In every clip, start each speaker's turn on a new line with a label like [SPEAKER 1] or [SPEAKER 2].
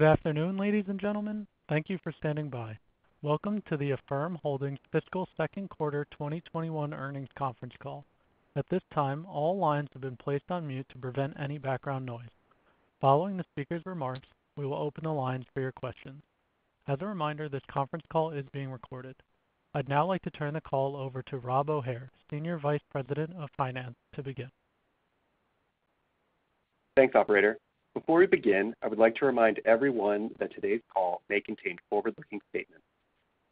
[SPEAKER 1] Good afternoon, ladies and gentlemen. Thank you for standing by. Welcome to the Affirm Holdings fiscal second quarter 2021 earnings conference call. At this time, all lines have been placed on mute to prevent any background noise. Following the speaker's remarks, we will open the lines for your questions. As a reminder, this conference call is being recorded. I'd now like to turn the call over to Rob O'Hare, Senior Vice President of Finance, to begin.
[SPEAKER 2] Thanks, operator. Before we begin, I would like to remind everyone that today's call may contain forward-looking statements.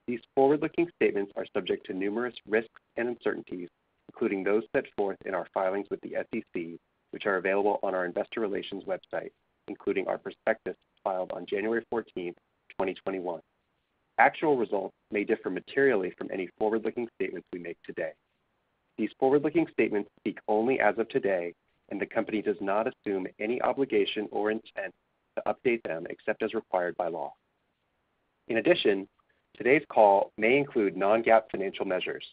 [SPEAKER 2] These forward-looking statements are subject to numerous risks and uncertainties, including those set forth in our filings with the SEC, which are available on our investor relations website, including our prospectus filed on January 14th, 2021. Actual results may differ materially from any forward-looking statements we make today. These forward-looking statements speak only as of today, and the company does not assume any obligation or intent to update them except as required by law. In addition, today's call may include non-GAAP financial measures.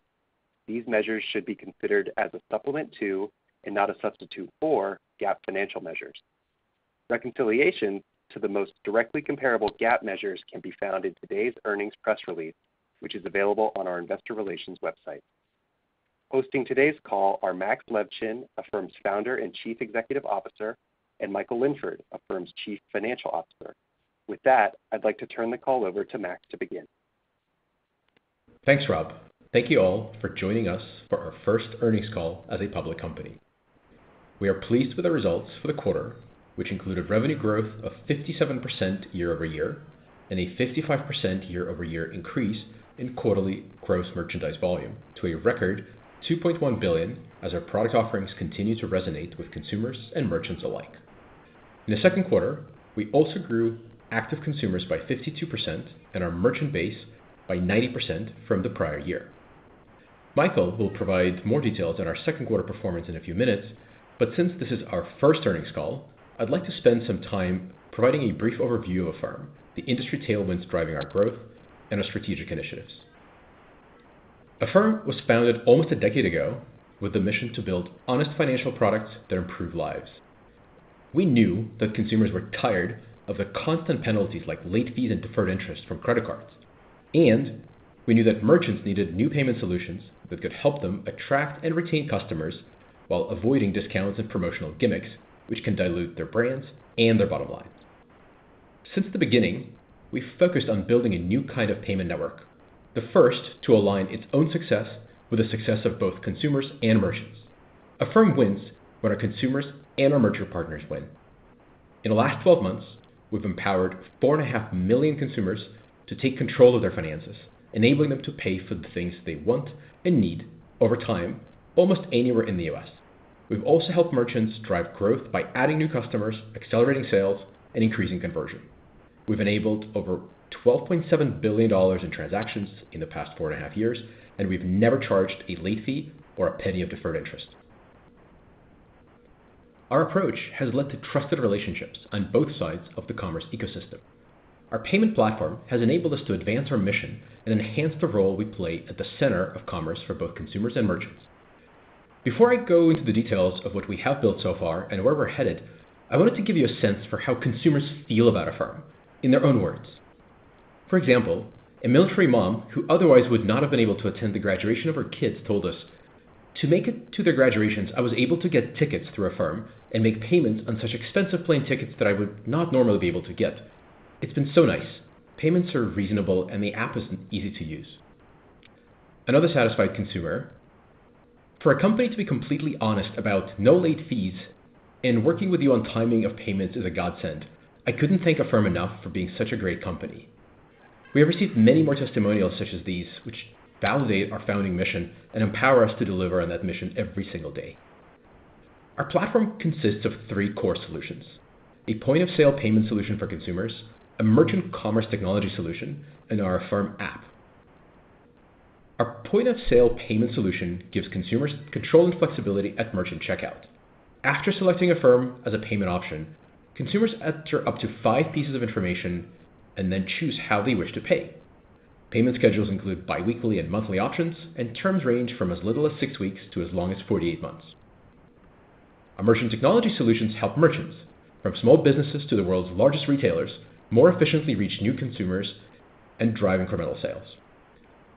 [SPEAKER 2] These measures should be considered as a supplement to and not a substitute for GAAP financial measures. Reconciliation to the most directly comparable GAAP measures can be found in today's earnings press release, which is available on our investor relations website. Hosting today's call are Max Levchin, Affirm's founder and Chief Executive Officer, and Michael Linford, Affirm's Chief Financial Officer. With that, I'd like to turn the call over to Max to begin.
[SPEAKER 3] Thanks, Rob. Thank you all for joining us for our first earnings call as a public company. We are pleased with the results for the quarter, which included revenue growth of 57% year-over-year, and a 55% year-over-year increase in quarterly Gross Merchandise Volume to a record $2.1 billion as our product offerings continue to resonate with consumers and merchants alike. In the second quarter, we also grew active consumers by 52% and our merchant base by 90% from the prior year. Michael will provide more details on our second quarter performance in a few minutes, but since this is our first earnings call, I'd like to spend some time providing a brief overview of Affirm, the industry tailwinds driving our growth, and our strategic initiatives. Affirm was founded almost a decade ago with a mission to build honest financial products that improve lives. We knew that consumers were tired of the constant penalties like late fees and deferred interest from credit cards, and we knew that merchants needed new payment solutions that could help them attract and retain customers while avoiding discounts and promotional gimmicks, which can dilute their brands and their bottom lines. Since the beginning, we've focused on building a new kind of payment network, the first to align its own success with the success of both consumers and merchants. Affirm wins when our consumers and our merchant partners win. In the last 12 months, we've empowered 4.5 million consumers to take control of their finances, enabling them to pay for the things they want and need over time, almost anywhere in the U.S. We've also helped merchants drive growth by adding new customers, accelerating sales, and increasing conversion. We've enabled over $12.7 billion in transactions in the past 4.5 years, and we've never charged a late fee or a penny of deferred interest. Our approach has led to trusted relationships on both sides of the commerce ecosystem. Our payment platform has enabled us to advance our mission and enhance the role we play at the center of commerce for both consumers and merchants. Before I go into the details of what we have built so far and where we're headed, I wanted to give you a sense for how consumers feel about Affirm in their own words. For example, a military mom who otherwise would not have been able to attend the graduation of her kids told us, "To make it to their graduations, I was able to get tickets through Affirm and make payments on such expensive plane tickets that I would not normally be able to get. It's been so nice. Payments are reasonable and the app is easy to use." Another satisfied consumer, "For a company to be completely honest about no late fees and working with you on timing of payments is a godsend. I couldn't thank Affirm enough for being such a great company." We have received many more testimonials such as these, which validate our founding mission and empower us to deliver on that mission every single day. Our platform consists of three core solutions, a point-of-sale payment solution for consumers, a merchant commerce technology solution, and our Affirm app. Our point-of-sale payment solution gives consumers control and flexibility at merchant checkout. After selecting Affirm as a payment option, consumers enter up to five pieces of information and then choose how they wish to pay. Payment schedules include biweekly and monthly options, and terms range from as little as six weeks to as long as 48 months. Our merchant technology solutions help merchants, from small businesses to the world's largest retailers, more efficiently reach new consumers and drive incremental sales.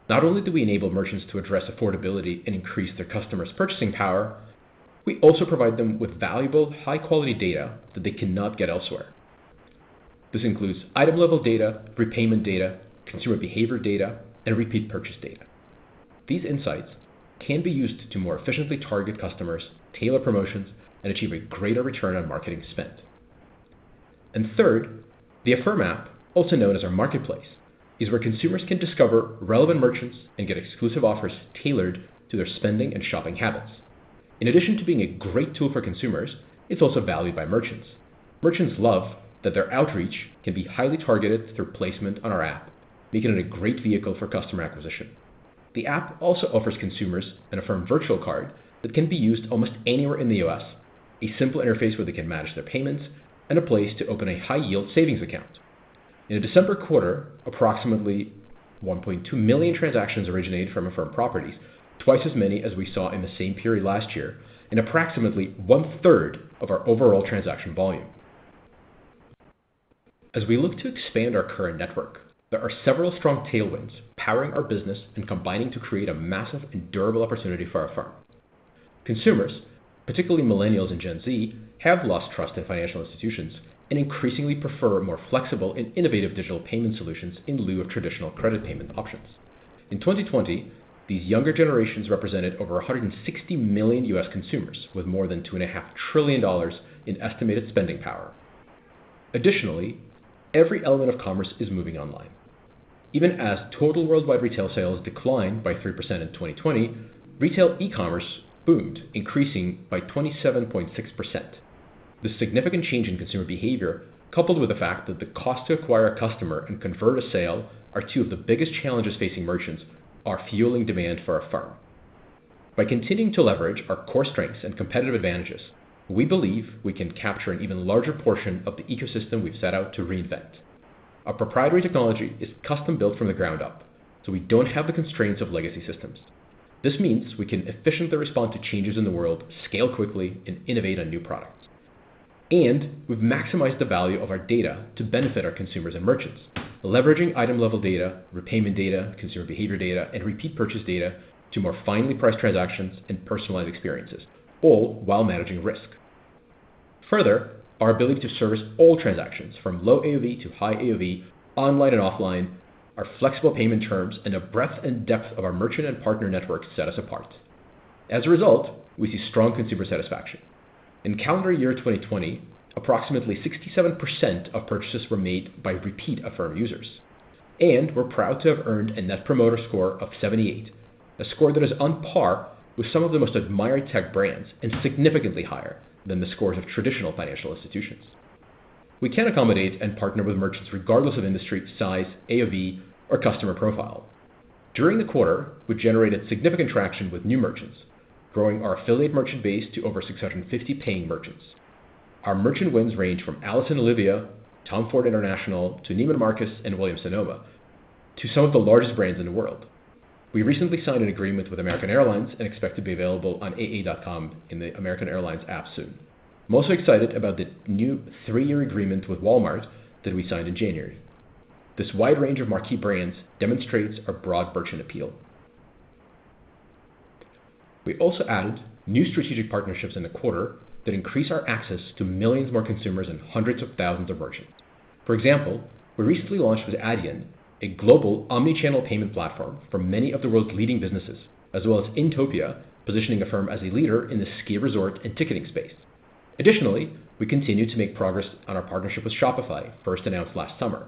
[SPEAKER 3] Not only do we enable merchants to address affordability and increase their customers' purchasing power, we also provide them with valuable, high-quality data that they cannot get elsewhere. This includes item-level data, prepayment data, consumer behavior data, and repeat purchase data. These insights can be used to more efficiently target customers, tailor promotions, and achieve a greater return on marketing spend. Third, the Affirm app, also known as our marketplace, is where consumers can discover relevant merchants and get exclusive offers tailored to their spending and shopping habits. In addition to being a great tool for consumers, it's also valued by merchants. Merchants love that their outreach can be highly targeted through placement on our app, making it a great vehicle for customer acquisition. The app also offers consumers an Affirm virtual card that can be used almost anywhere in the U.S., a simple interface where they can manage their payments, and a place to open a high-yield savings account. In the December 25, approximately 1.2 million transactions originated from Affirm properties, twice as many as we saw in the same period last year and approximately one-third of our overall transaction volume. As we look to expand our current network, there are several strong tailwinds powering our business and combining to create a massive and durable opportunity for Affirm. Consumers, particularly Millennials and Gen Z, have lost trust in financial institutions and increasingly prefer more flexible and innovative digital payment solutions in lieu of traditional credit payment options. In 2020, these younger generations represented over 160 million U.S. consumers with more than $2.5 trillion in estimated spending power. Additionally, every element of commerce is moving online. Even as total worldwide retail sales declined by 3% in 2020, retail e-commerce boomed, increasing by 27.6%. This significant change in consumer behavior, coupled with the fact that the cost to acquire a customer and convert a sale are two of the biggest challenges facing merchants, are fueling demand for Affirm. By continuing to leverage our core strengths and competitive advantages, we believe we can capture an even larger portion of the ecosystem we've set out to reinvent. Our proprietary technology is custom-built from the ground up, so we don't have the constraints of legacy systems. This means we can efficiently respond to changes in the world, scale quickly, and innovate on new products. We've maximized the value of our data to benefit our consumers and merchants, leveraging item-level data, repayment data, consumer behavior data, and repeat purchase data to more finely price transactions and personalize experiences, all while managing risk. Further, our ability to service all transactions from low AOV to high AOV, online and offline, our flexible payment terms, and the breadth and depth of our merchant and partner network set us apart. As a result, we see strong consumer satisfaction. In calendar year 2020, approximately 67% of purchases were made by repeat Affirm users, and we're proud to have earned a net promoter score of 78, a score that is on par with some of the most admired tech brands and significantly higher than the scores of traditional financial institutions. We can accommodate and partner with merchants regardless of industry, size, AOV, or customer profile. During the quarter, we generated significant traction with new merchants, growing our affiliate merchant base to over 650 paying merchants. Our merchant wins range from alice + olivia, Tom Ford International, to Neiman Marcus and Williams-Sonoma, to some of the largest brands in the world. We recently signed an agreement with American Airlines and expect to be available on aa.com and the American Airlines app soon. Most are excited about the new three-year agreement with Walmart that we signed in January. This wide range of marquee brands demonstrates our broad merchant appeal. We also added new strategic partnerships in the quarter that increase our access to millions more consumers and hundreds of thousands of merchants. For example, we recently launched with Adyen, a global omni-channel payment platform for many of the world's leading businesses, as well as Inntopia, positioning Affirm as a leader in the ski resort and ticketing space. Additionally, we continue to make progress on our partnership with Shopify, first announced last summer.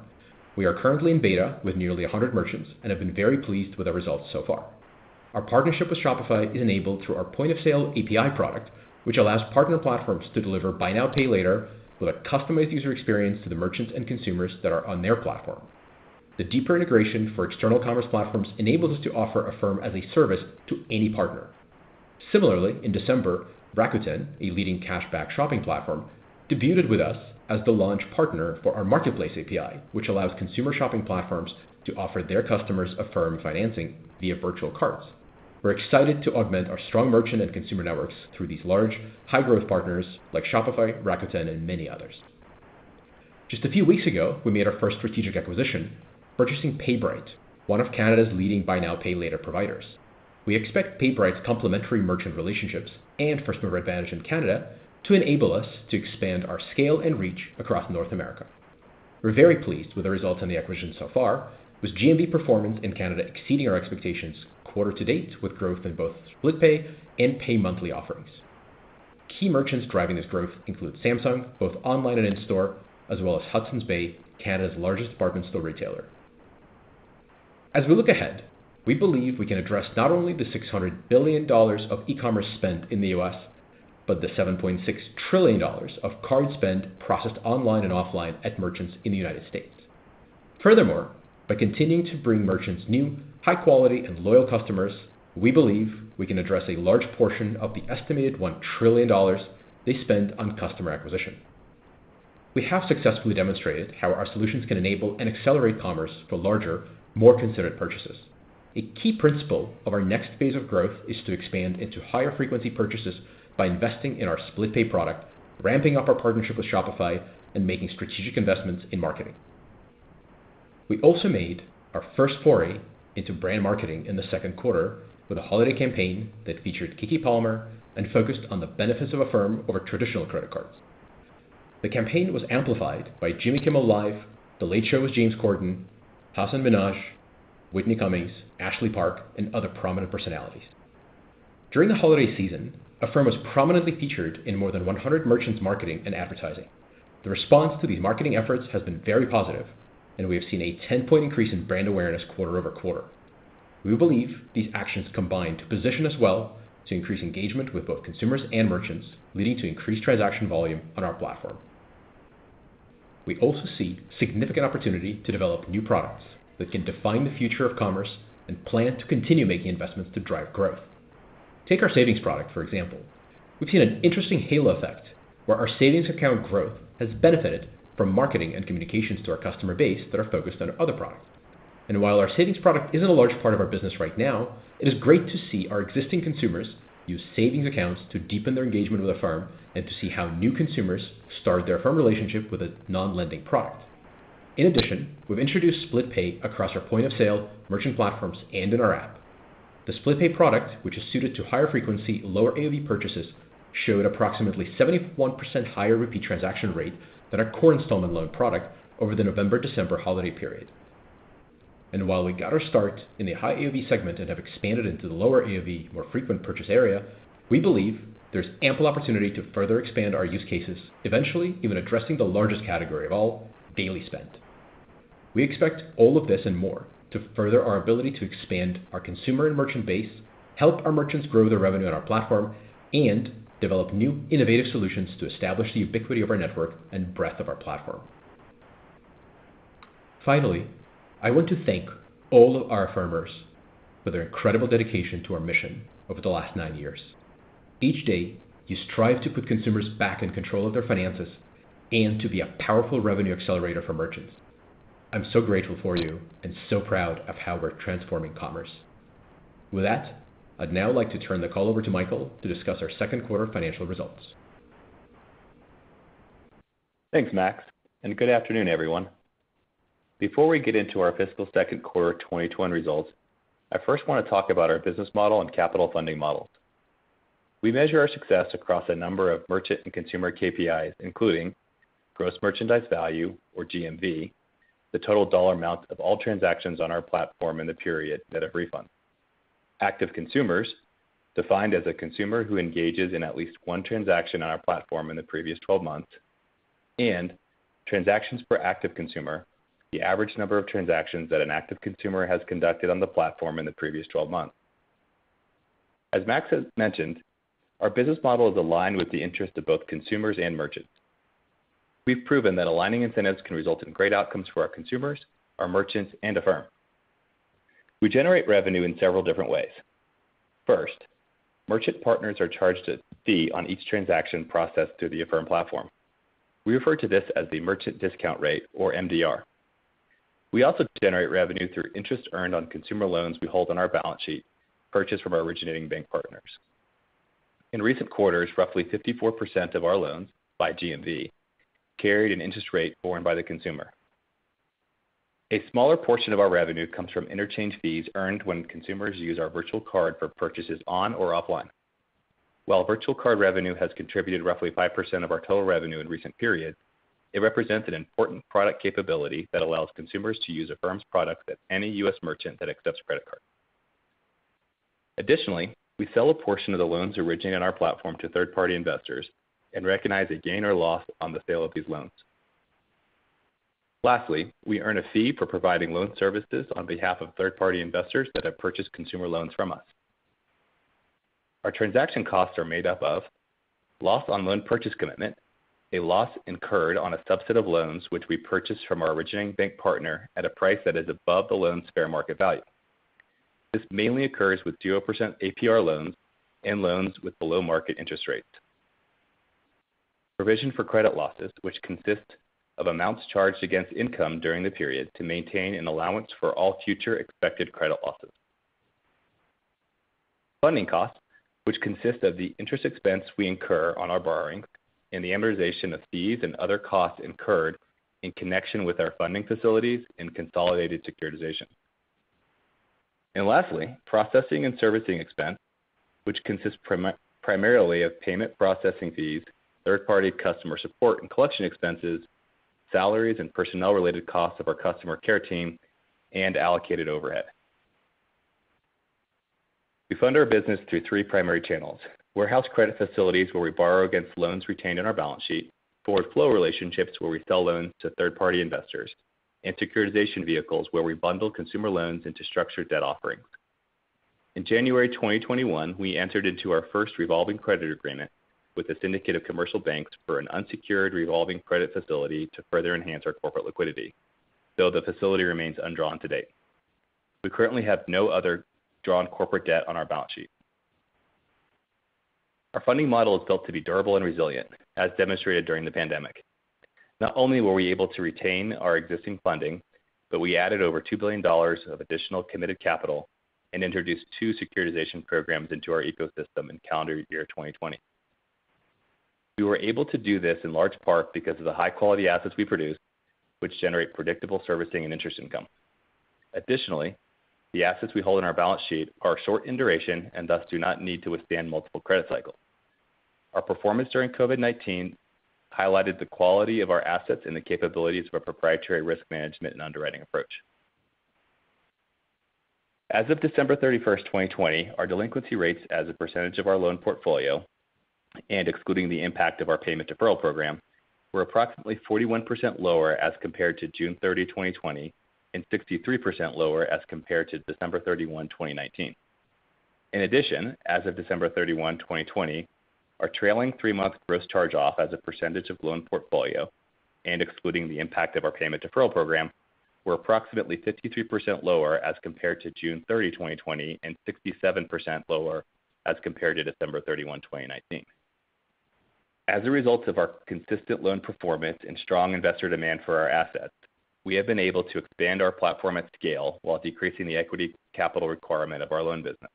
[SPEAKER 3] We are currently in beta with nearly 100 merchants and have been very pleased with the results so far. Our partnership with Shopify is enabled through our point-of-sale API product, which allows partner platforms to deliver Buy Now, Pay Later with a customized user experience to the merchants and consumers that are on their platform. The deeper integration for external commerce platforms enables us to offer Affirm as a service to any partner. Similarly, in December, Rakuten, a leading cash-back shopping platform, debuted with us as the launch partner for our marketplace API, which allows consumer shopping platforms to offer their customers Affirm financing via virtual cards. We're excited to augment our strong merchant and consumer networks through these large, high-growth partners like Shopify, Rakuten, and many others. Just a few weeks ago, we made our first strategic acquisition, purchasing PayBright, one of Canada's leading buy now, pay later providers. We expect PayBright's complimentary merchant relationships and first-mover advantage in Canada to enable us to expand our scale and reach across North America. We're very pleased with the results on the acquisition so far, with GMV performance in Canada exceeding our expectations quarter to date, with growth in both Split Pay and Pay Monthly offerings. Key merchants driving this growth include Samsung, both online and in-store, as well as Hudson's Bay, Canada's largest department store retailer. As we look ahead, we believe we can address not only the $600 billion of e-commerce spent in the U.S., but the $7.6 trillion of card spend processed online and offline at merchants in the United States. Furthermore, by continuing to bring merchants new, high quality, and loyal customers, we believe we can address a large portion of the estimated $1 trillion they spend on customer acquisition. We have successfully demonstrated how our solutions can enable and accelerate commerce for larger, more considered purchases. A key principle of our next phase of growth is to expand into higher frequency purchases by investing in our Split Pay product, ramping up our partnership with Shopify, and making strategic investments in marketing. We also made our first foray into brand marketing in the second quarter with a holiday campaign that featured Keke Palmer and focused on the benefits of Affirm over traditional credit cards. The campaign was amplified by Jimmy Kimmel Live!, The Late Show with James Corden, Hasan Minhaj, Whitney Cummings, Ashley Park, and other prominent personalities. During the holiday season, Affirm was prominently featured in more than 100 merchants' marketing and advertising. The response to these marketing efforts has been very positive, and we have seen a 10-point increase in brand awareness quarter-over-quarter. We believe these actions combine to position us well to increase engagement with both consumers and merchants, leading to increased transaction volume on our platform. We also see significant opportunity to develop new products that can define the future of commerce and plan to continue making investments to drive growth. Take our savings product, for example. We've seen an interesting halo effect where our savings account growth has benefited from marketing and communications to our customer base that are focused on other products. While our savings product isn't a large part of our business right now, it is great to see our existing consumers use savings accounts to deepen their engagement with Affirm and to see how new consumers start their Affirm relationship with a non-lending product. In addition, we've introduced Split Pay across our point-of-sale merchant platforms and in our app. The Split Pay product, which is suited to higher frequency, lower AOV purchases, showed approximately 71% higher repeat transaction rate than our core installment loan product over the November-December holiday period. While we got our start in the high AOV segment and have expanded into the lower AOV, more frequent purchase area, we believe there's ample opportunity to further expand our use cases, eventually even addressing the largest category of all, daily spend. We expect all of this and more to further our ability to expand our consumer and merchant base, help our merchants grow their revenue on our platform, and develop new innovative solutions to establish the ubiquity of our network and breadth of our platform. Finally, I want to thank all of our Affirmers for their incredible dedication to our mission over the last nine years. Each day, you strive to put consumers back in control of their finances and to be a powerful revenue accelerator for merchants. I'm so grateful for you and so proud of how we're transforming commerce. With that, I'd now like to turn the call over to Michael to discuss our second quarter financial results.
[SPEAKER 4] Thanks, Max. Good afternoon, everyone. Before we get into our fiscal second quarter 2021 results, I first want to talk about our business model and capital funding models. We measure our success across a number of merchant and consumer KPIs, including gross merchandise value or GMV, the total dollar amount of all transactions on our platform in the period net of refunds. Active consumers, defined as a consumer who engages in at least one transaction on our platform in the previous 12 months. Transactions per active consumer, the average number of transactions that an active consumer has conducted on the platform in the previous 12 months. As Max has mentioned, our business model is aligned with the interest of both consumers and merchants. We've proven that aligning incentives can result in great outcomes for our consumers, our merchants, and Affirm. We generate revenue in several different ways. First, merchant partners are charged a fee on each transaction processed through the Affirm platform. We refer to this as the merchant discount rate or MDR. We also generate revenue through interest earned on consumer loans we hold on our balance sheet, purchased from our originating bank partners. In recent quarters, roughly 54% of our loans by GMV carried an interest rate borne by the consumer. A smaller portion of our revenue comes from interchange fees earned when consumers use our virtual card for purchases on or offline. While virtual card revenue has contributed roughly 5% of our total revenue in recent periods, it represents an important product capability that allows consumers to use Affirm's product at any U.S. merchant that accepts credit cards. Additionally, we sell a portion of the loans originated on our platform to third-party investors and recognize a gain or loss on the sale of these loans. Lastly, we earn a fee for providing loan services on behalf of third-party investors that have purchased consumer loans from us. Our transaction costs are made up of loss on loan purchase commitment, a loss incurred on a subset of loans which we purchase from our originating bank partner at a price that is above the loan's fair market value. This mainly occurs with 0% APR loans and loans with below-market interest rates. Provision for credit losses, which consist of amounts charged against income during the period to maintain an allowance for all future expected credit losses. Funding costs, which consist of the interest expense we incur on our borrowing and the amortization of fees and other costs incurred in connection with our funding facilities and consolidated securitization. Lastly, processing and servicing expense, which consists primarily of payment processing fees, third-party customer support and collection expenses, salaries and personnel-related costs of our customer care team, and allocated overhead. We fund our business through three primary channels: warehouse credit facilities where we borrow against loans retained on our balance sheet, forward flow relationships where we sell loans to third-party investors, and securitization vehicles where we bundle consumer loans into structured debt offerings. In January 2021, we entered into our first revolving credit agreement with a syndicate of commercial banks for an unsecured revolving credit facility to further enhance our corporate liquidity, though the facility remains undrawn to date. We currently have no other drawn corporate debt on our balance sheet. Our funding model is built to be durable and resilient, as demonstrated during the pandemic. Not only were we able to retain our existing funding, but we added over $2 billion of additional committed capital and introduced two securitization programs into our ecosystem in calendar year 2020. We were able to do this in large part because of the high-quality assets we produce, which generate predictable servicing and interest income. Additionally, the assets we hold on our balance sheet are short in duration and thus do not need to withstand multiple credit cycles. Our performance during COVID-19 highlighted the quality of our assets and the capabilities of our proprietary risk management and underwriting approach. As of December 31st, 2020, our delinquency rates as a percentage of our loan portfolio and excluding the impact of our payment deferral program were approximately 41% lower as compared to June 30, 2020, and 63% lower as compared to December 31, 2019. In addition, as of December 31, 2020, our trailing three-month gross charge-off as a percentage of loan portfolio, and excluding the impact of our payment deferral program were approximately 53% lower as compared to June 30, 2020, and 67% lower as compared to December 31, 2019. As a result of our consistent loan performance and strong investor demand for our assets, we have been able to expand our platform at scale while decreasing the equity capital requirement of our loan business.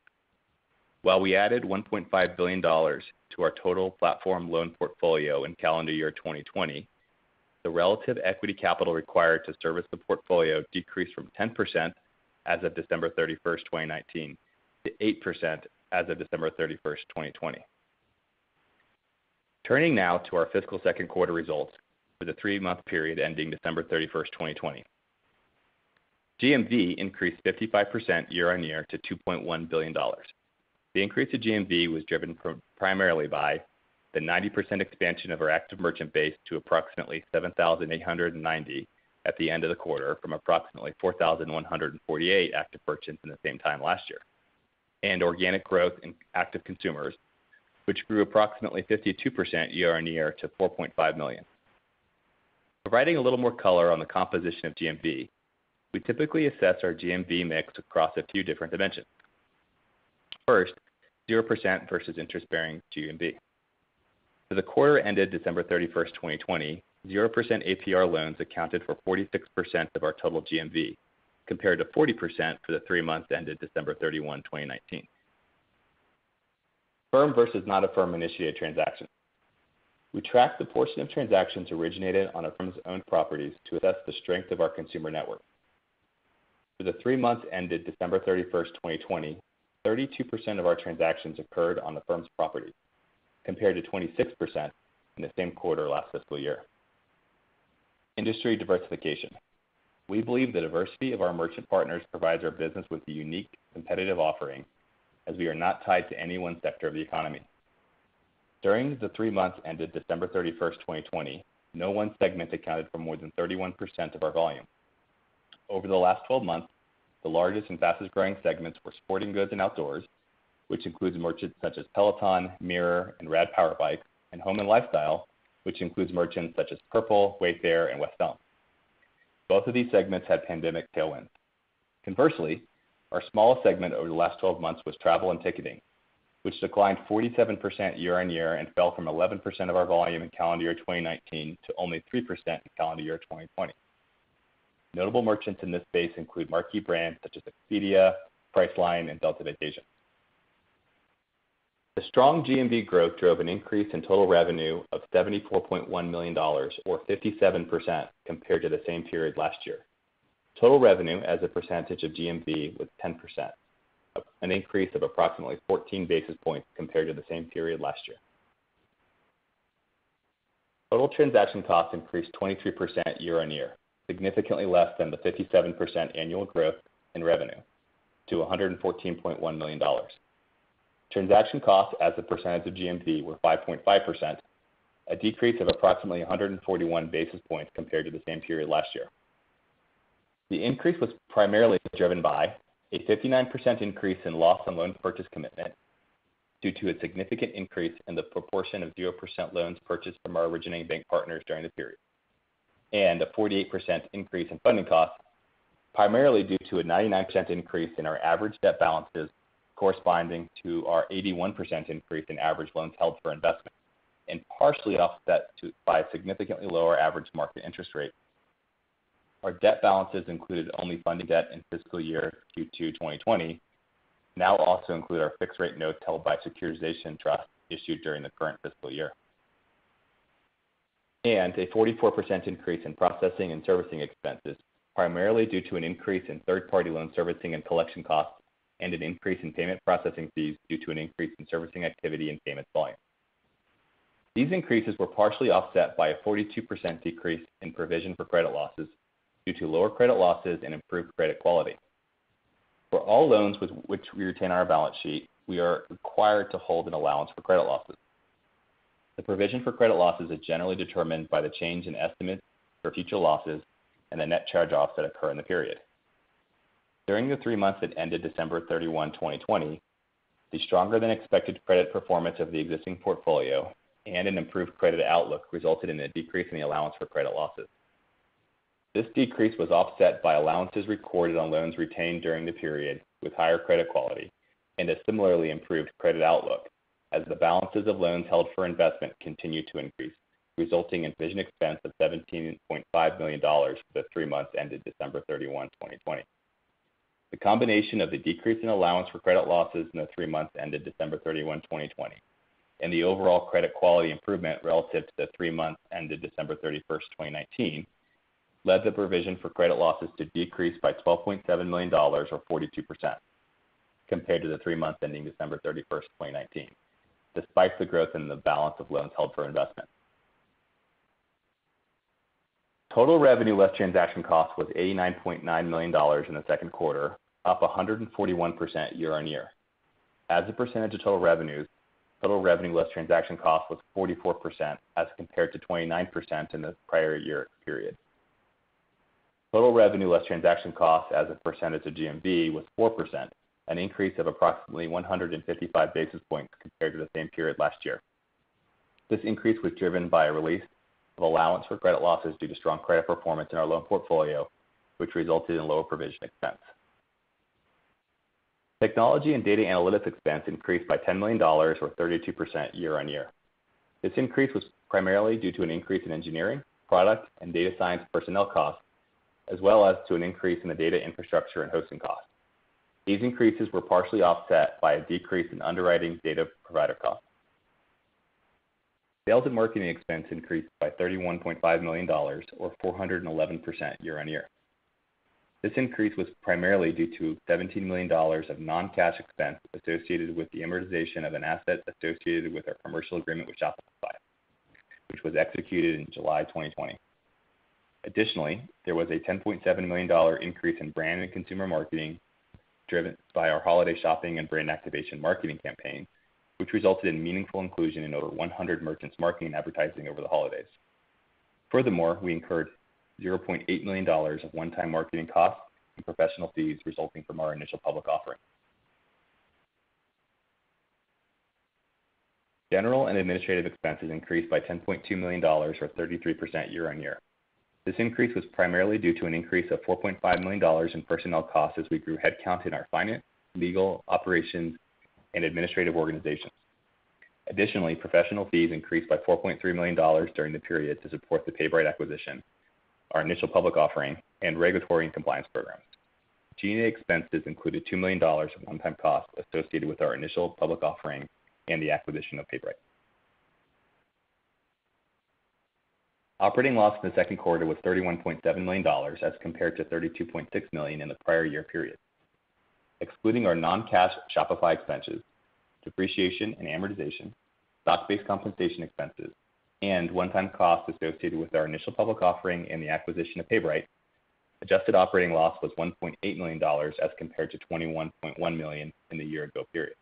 [SPEAKER 4] While we added $1.5 billion to our total platform loan portfolio in calendar year 2020, the relative equity capital required to service the portfolio decreased from 10% as of December 31st, 2019, to 8% as of December 31st, 2020. Turning now to our fiscal second quarter results for the three-month period ending December 31st, 2020. GMV increased 55% year-on-year to $2.1 billion. The increase to GMV was driven primarily by the 90% expansion of our active merchant base to approximately 7,890 at the end of the quarter from approximately 4,148 active merchants in the same time last year, and organic growth in active consumers, which grew approximately 52% year-on-year to 4.5 million. Providing a little more color on the composition of GMV, we typically assess our GMV mix across a few different dimensions. First, 0% versus interest-bearing GMV. For the quarter ended December 31st, 2020, 0% APR loans accounted for 46% of our total GMV, compared to 40% for the three months ended December 31, 2019. Affirm versus non-Affirm-initiated transactions. We tracked the portion of transactions originated on Affirm's own properties to assess the strength of our consumer network. For the three months ended December 31st, 2020, 32% of our transactions occurred on Affirm's property, compared to 26% in the same quarter last fiscal year. Industry diversification. We believe the diversity of our merchant partners provides our business with a unique competitive offering, as we are not tied to any one sector of the economy. During the three months ended December 31st, 2020, no one segment accounted for more than 31% of our volume. Over the last 12 months, the largest and fastest-growing segments were sporting goods and outdoors, which includes merchants such as Peloton, Mirror, and Rad Power Bikes, and home and lifestyle, which includes merchants such as Purple, Wayfair, and West Elm. Both of these segments had pandemic tailwinds. Conversely, our smallest segment over the last 12 months was travel and ticketing, which declined 47% year-on-year and fell from 11% of our volume in calendar year 2019 to only 3% in calendar year 2020. Notable merchants in this space include marquee brands such as Expedia, Priceline, and Delta Vacations. The strong GMV growth drove an increase in total revenue of $74.1 million or 57% compared to the same period last year. Total revenue as a percentage of GMV was 10%, an increase of approximately 14 basis points compared to the same period last year. Total transaction costs increased 23% year-on-year, significantly less than the 57% annual growth in revenue to $114.1 million. Transaction costs as a percentage of GMV were 5.5%, a decrease of approximately 141 basis points compared to the same period last year. The increase was primarily driven by a 59% increase in loss on loan purchase commitment due to a significant increase in the proportion of 0% loans purchased from our originating bank partners during the period, and a 48% increase in funding costs, primarily due to a 99% increase in our average debt balances corresponding to our 81% increase in average loans held for investment, and partially offset by a significantly lower average market interest rate. Our debt balances included only funding debt in fiscal year Q2 2020, now also include our fixed rate notes held by a securitization trust issued during the current fiscal year. A 44% increase in processing and servicing expenses, primarily due to an increase in third-party loan servicing and collection costs and an increase in payment processing fees due to an increase in servicing activity and payment volume. These increases were partially offset by a 42% decrease in provision for credit losses due to lower credit losses and improved credit quality. For all loans which we retain our balance sheet, we are required to hold an allowance for credit losses. The provision for credit losses is generally determined by the change in estimate for future losses and the net charge-offs that occur in the period. During the three months that ended December 31, 2020, the stronger-than-expected credit performance of the existing portfolio and an improved credit outlook resulted in a decrease in the allowance for credit losses. This decrease was offset by allowances recorded on loans retained during the period with higher credit quality and a similarly improved credit outlook as the balances of loans held for investment continued to increase, resulting in provision expense of $17.5 million for the three months ended December 31, 2020. The combination of the decrease in allowance for credit losses in the three months ended December 31, 2020, and the overall credit quality improvement relative to the three months ended December 31st, 2019, led the provision for credit losses to decrease by $12.7 million or 42% compared to the three months ending December 31st, 2019, despite the growth in the balance of loans held for investment. Total revenue less transaction costs was $89.9 million in the second quarter, up 141% year-on-year. As a percentage of total revenues, total revenue less transaction costs was 44% as compared to 29% in the prior year period. Total revenue less transaction costs as a percentage of GMV was 4%, an increase of approximately 155 basis points compared to the same period last year. This increase was driven by a release of allowance for credit losses due to strong credit performance in our loan portfolio, which resulted in lower provision expense. Technology and data analytics expense increased by $10 million, or 32% year-on-year. This increase was primarily due to an increase in engineering, product, and data science personnel costs, as well as to an increase in the data infrastructure and hosting costs. These increases were partially offset by a decrease in underwriting data provider costs. Sales and marketing expense increased by $31.5 million, or 411% year-on-year. This increase was primarily due to $17 million of non-cash expense associated with the amortization of an asset associated with our commercial agreement with Shopify, which was executed in July 2020. Additionally, there was a $10.7 million increase in brand and consumer marketing driven by our holiday shopping and brand activation marketing campaign, which resulted in meaningful inclusion in over 100 merchants' marketing advertising over the holidays. Furthermore, we incurred $0.8 million of one-time marketing costs and professional fees resulting from our initial public offering. General and administrative expenses increased by $10.2 million, or 33% year-on-year. This increase was primarily due to an increase of $4.5 million in personnel costs as we grew headcounts in our finance, legal, operations, and administrative organizations. Additionally, professional fees increased by $4.3 million during the period to support the PayBright acquisition, our initial public offering, and regulatory and compliance programs. G&A expenses included $2 million of one-time costs associated with our initial public offering and the acquisition of PayBright. Operating loss in the second quarter was $31.7 million as compared to $32.6 million in the prior year period. Excluding our non-cash Shopify expenses, depreciation and amortization, stock-based compensation expenses, and one-time costs associated with our initial public offering and the acquisition of PayBright, adjusted operating loss was $1.8 million as compared to $21.1 million in the year-ago period.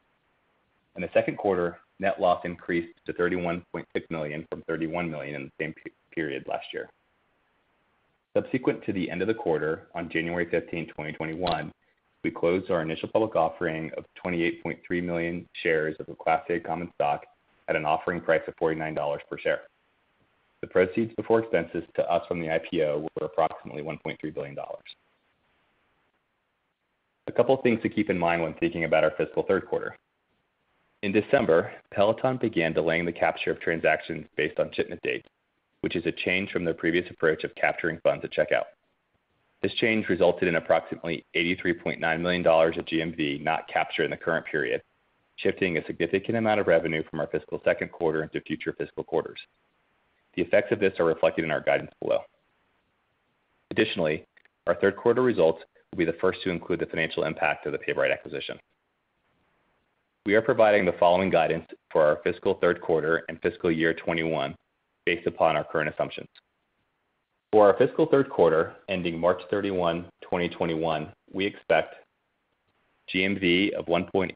[SPEAKER 4] In the second quarter, net loss increased to $31.6 million from $31 million in the same period last year. Subsequent to the end of the quarter, on January 15, 2021, we closed our initial public offering of 28.3 million shares of a Class A common stock at an offering price of $49 per share. The proceeds before expenses to us from the IPO were approximately $1.3 billion. A couple things to keep in mind when thinking about our fiscal third quarter. In December, Peloton began delaying the capture of transactions based on shipment date, which is a change from their previous approach of capturing funds at checkout. This change resulted in approximately $83.9 million of GMV not captured in the current period, shifting a significant amount of revenue from our fiscal second quarter into future fiscal quarters. The effects of this are reflected in our guidance below. Additionally, our third quarter results will be the first to include the financial impact of the PayBright acquisition. We are providing the following guidance for our fiscal third quarter and fiscal year 2021 based upon our current assumptions. For our fiscal third quarter ending March 31, 2021, we expect GMV of $1.8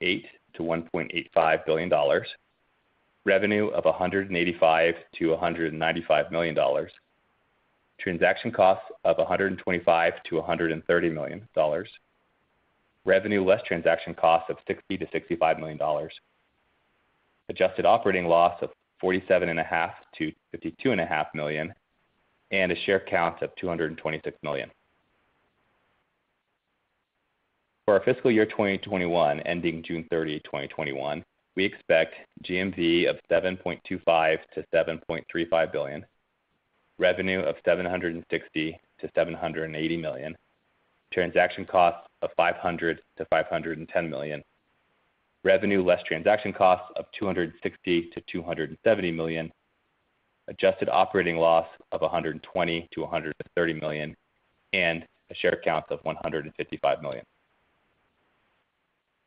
[SPEAKER 4] billion-$1.85 billion, revenue of $185 million-$195 million, transaction costs of $125 million-$130 million, revenue less transaction costs of $60 million-$65 million, adjusted operating loss of $47.5 million-$52.5 million, and a share count of 226 million. For our fiscal year 2021 ending June 30, 2021, we expect GMV of $7.25 billion-$7.35 billion, revenue of $760 million-$780 million, transaction costs of $500 million-$510 million, revenue less transaction costs of $260 million-$270 million, adjusted operating loss of $120 million-$130 million, and a share count of $155 million.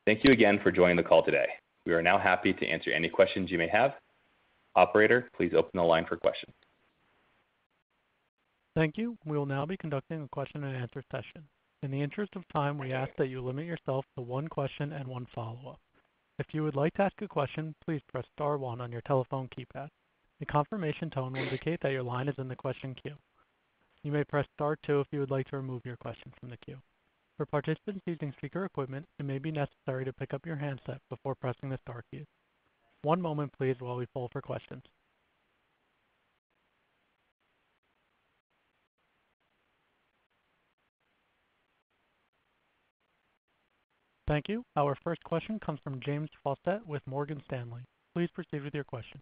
[SPEAKER 4] Thank you again for joining the call today. We are now happy to answer any questions you may have. Operator, please open the line for questions.
[SPEAKER 1] Thank you. We will now be conducting the question and answer session. To manage our time, we ask to limit yourself to one question and one follow-up. If you would like to ask a question, please press star one on your telephone keypad. A confirmation tone will indicate that your line is on the question queue. You may press star two if you would like to remove your question from the queue. For participants using speaker equipment, you may be necessary to pick up your handset before pressing the star key. One moment please while we pull for question. Our first question comes from James Faucette with Morgan Stanley. Please proceed with your question.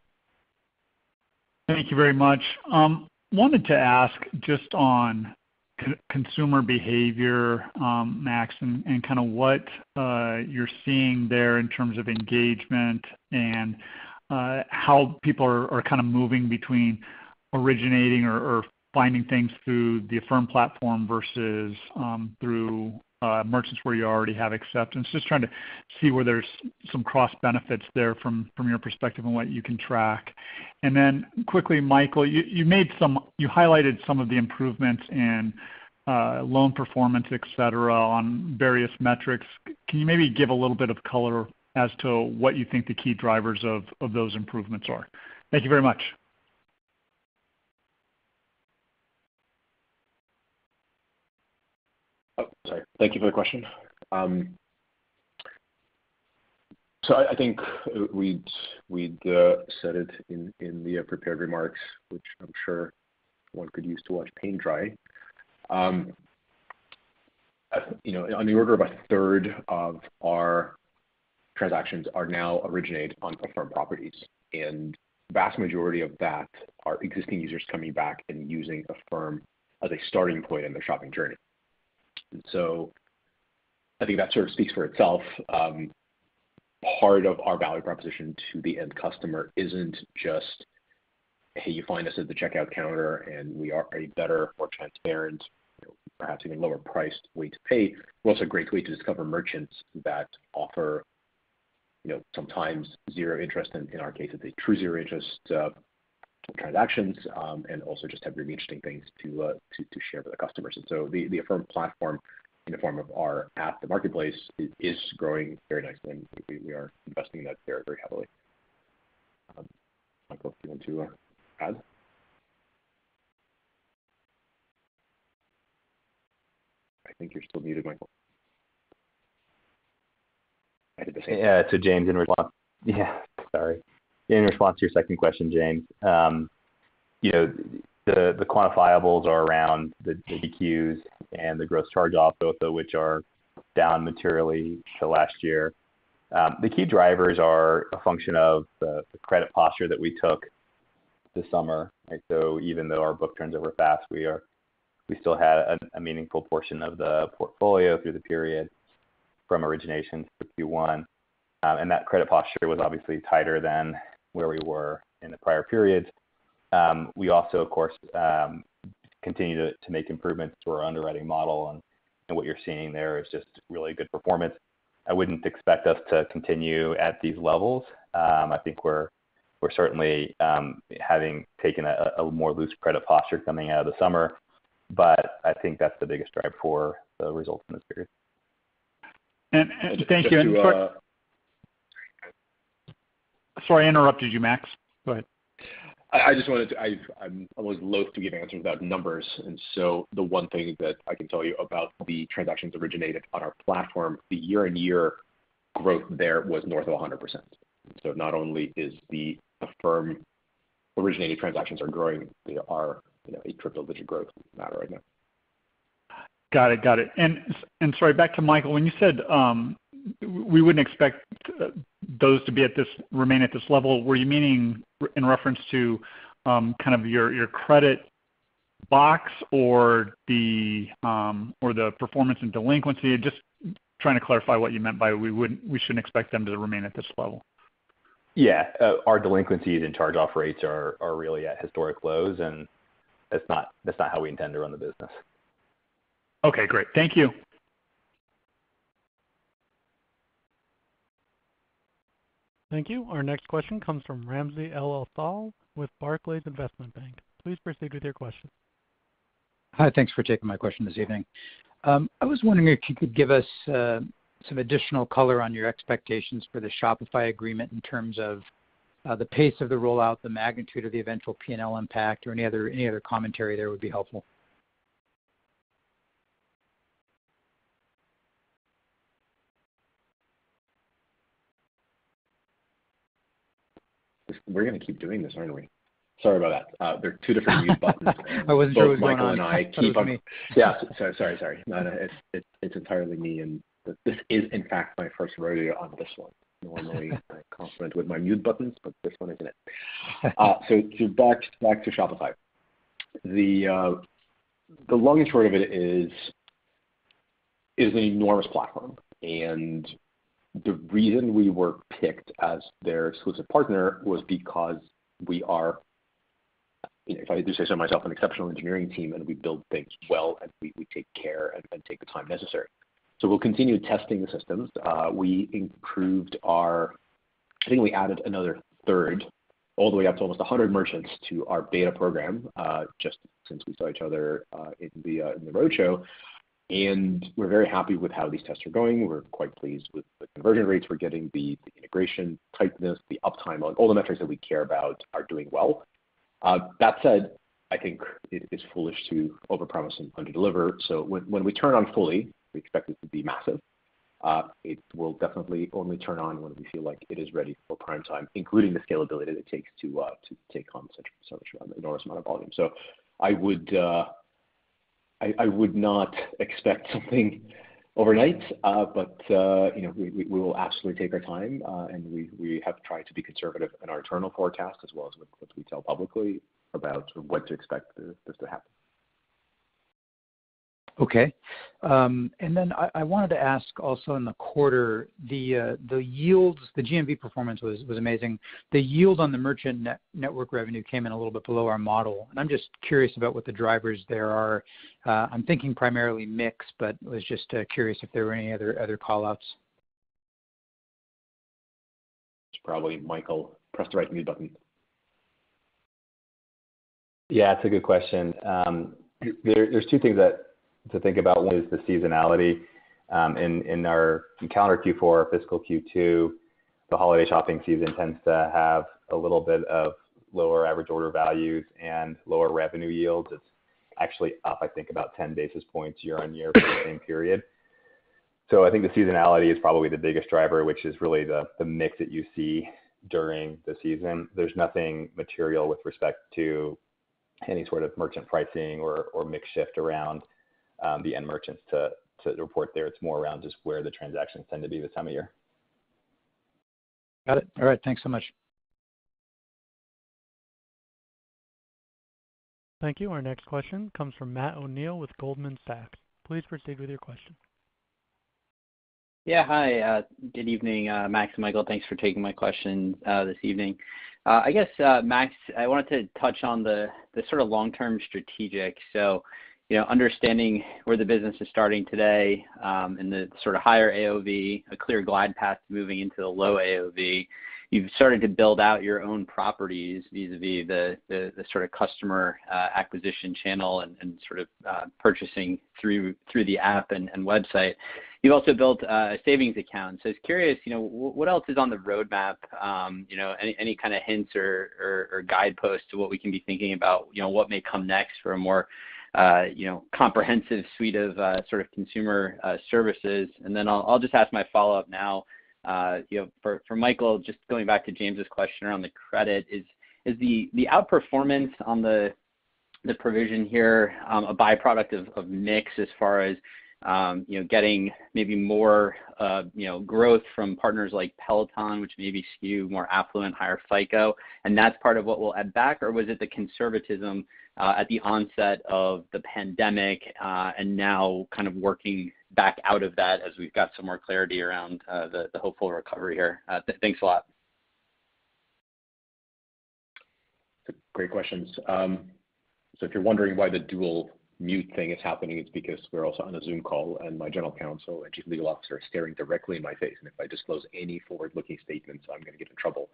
[SPEAKER 5] Thank you very much. Wanted to ask just on consumer behavior, Max, and kind of what you're seeing there in terms of engagement and how people are kind of moving between originating or finding things through the Affirm platform versus through merchants where you already have acceptance. Just trying to see where there's some cross benefits there from your perspective and what you can track. Quickly, Michael, you highlighted some of the improvements in loan performance, et cetera, on various metrics. Can you maybe give a little bit of color as to what you think the key drivers of those improvements are? Thank you very much.
[SPEAKER 3] Oh, sorry. Thank you for the question. I think we'd said it in the prepared remarks, which I'm sure one could use to watch paint dry. On the order of a third of our transactions are now originated on Affirm properties, and the vast majority of that are existing users coming back and using Affirm as a starting point in their shopping journey. I think that sort of speaks for itself. Part of our value proposition to the end customer isn't just, hey, you find us at the checkout counter and we are a better, more transparent, perhaps even lower priced way to pay. We're also a great way to discover merchants that offer sometimes zero interest, in our case, it's a true zero interest transactions. Also just have really interesting things to share with the customers. The Affirm platform in the form of our app, the marketplace, is growing very nicely and we are investing in that very heavily. Michael, if you want to add? I think you're still muted, Michael.
[SPEAKER 4] James, in response. Sorry. In response to your second question, James. The quantifiables are around the DQs and the gross charge-offs, both of which are down materially to last year. The key drivers are a function of the credit posture that we took this summer. Even though our book turns over fast, we still had a meaningful portion of the portfolio through the period from origination Q1. That credit posture was obviously tighter than where we were in the prior periods. We also, of course, continue to make improvements to our underwriting model and what you're seeing there is just really good performance. I wouldn't expect us to continue at these levels. I think we're certainly having taken a more loose credit posture coming out of the summer. I think that's the biggest driver for the results in this period.
[SPEAKER 5] Thank you.
[SPEAKER 3] Just to-
[SPEAKER 5] Sorry, I interrupted you, Max. Go ahead.
[SPEAKER 3] I'm always loath to give answers about numbers, and so the one thing that I can tell you about the transactions originated on our platform, the year-on-year growth there was north of 100%. Not only is the Affirm originating transactions are growing, they are a triple-digit growth matter right now.
[SPEAKER 5] Got it. Sorry, back to Michael, when you said, we wouldn't expect those to remain at this level. Were you meaning in reference to your credit box or the performance and delinquency? Just trying to clarify what you meant by we shouldn't expect them to remain at this level.
[SPEAKER 4] Yeah. Our delinquencies and charge-off rates are really at historic lows, and that's not how we intend to run the business.
[SPEAKER 5] Okay, great. Thank you.
[SPEAKER 1] Thank you. Our next question comes from Ramsey El-Assal with Barclays Investment Bank. Please proceed with your question.
[SPEAKER 6] Hi. Thanks for taking my question this evening. I was wondering if you could give us some additional color on your expectations for the Shopify agreement in terms of the pace of the rollout, the magnitude of the eventual P&L impact, or any other commentary there would be helpful.
[SPEAKER 3] We're going to keep doing this, aren't we? Sorry about that. There are two different mute buttons.
[SPEAKER 6] I wasn't sure who was going on.
[SPEAKER 3] Both Michael and I keep
[SPEAKER 6] I thought it was me.
[SPEAKER 3] Yeah. Sorry. No, it's entirely me, and this is in fact my first rodeo on this one. Normally I'm confident with my mute buttons, but this one isn't it. Back to Shopify. The long and short of it is an enormous platform, and the reason we were picked as their exclusive partner was because we are, if I do say so myself, an exceptional engineering team, and we build things well, and we take care and take the time necessary. We'll continue testing the systems. We improved. I think we added another third all the way up to almost 100 merchants to our beta program, just since we saw each other in the roadshow, and we're very happy with how these tests are going. We're quite pleased with the conversion rates we're getting, the integration tightness, the uptime. All the metrics that we care about are doing well. That said, I think it is foolish to overpromise and underdeliver. When we turn on fully, we expect it to be massive. It will definitely only turn on when we feel like it is ready for prime time, including the scalability that it takes to take on such an enormous amount of volume. I would not expect something overnight. We will absolutely take our time. We have tried to be conservative in our internal forecast as well as what we tell publicly about what to expect this to happen.
[SPEAKER 6] Okay. I wanted to ask also in the quarter, the yields, the GMV performance was amazing. The yield on the merchant network revenue came in a little bit below our model. I'm just curious about what the drivers there are. I'm thinking primarily mix. Was just curious if there were any other call-outs.
[SPEAKER 3] It's probably Michael pressed the right mute button.
[SPEAKER 4] Yeah, it's a good question. There's two things to think about. One is the seasonality in our calendar Q4, our fiscal Q2. The holiday shopping season tends to have a little bit of lower Average Order Values and lower revenue yields. It's actually up, I think, about 10 basis points year-on-year for the same period. I think the seasonality is probably the biggest driver, which is really the mix that you see during the season. There's nothing material with respect to any sort of merchant pricing or mix shift around the end merchants to report there. It's more around just where the transactions tend to be this time of year.
[SPEAKER 6] Got it. All right. Thanks so much.
[SPEAKER 1] Thank you. Our next question comes from Matt O'Neill with Goldman Sachs. Please proceed with your question.
[SPEAKER 7] Hi, good evening, Max and Michael. Thanks for taking my question this evening. I guess, Max, I wanted to touch on the sort of long-term strategic. Understanding where the business is starting today, and the sort of higher AOV, a clear glide path moving into the low AOV. You've started to build out your own properties, vis-a-vis the sort of customer acquisition channel and sort of purchasing through the app and website. You've also built a savings account. Just curious, what else is on the roadmap? Any kind of hints or guideposts to what we can be thinking about, what may come next for a more comprehensive suite of sort of consumer services? I'll just ask my follow-up now. For Michael, just going back to James' question around the credit is the outperformance on the provision here a byproduct of mix as far as getting maybe more growth from partners like Peloton, which maybe skew more affluent, higher FICO, and that's part of what we'll add back? Or was it the conservatism at the onset of the pandemic, and now kind of working back out of that as we've got some more clarity around the hopeful recovery here? Thanks a lot.
[SPEAKER 3] Great questions. If you're wondering why the dual mute thing is happening, it's because we're also on a Zoom call and my general counsel and chief legal officer are staring directly in my face, and if I disclose any forward-looking statements, I'm going to get in trouble.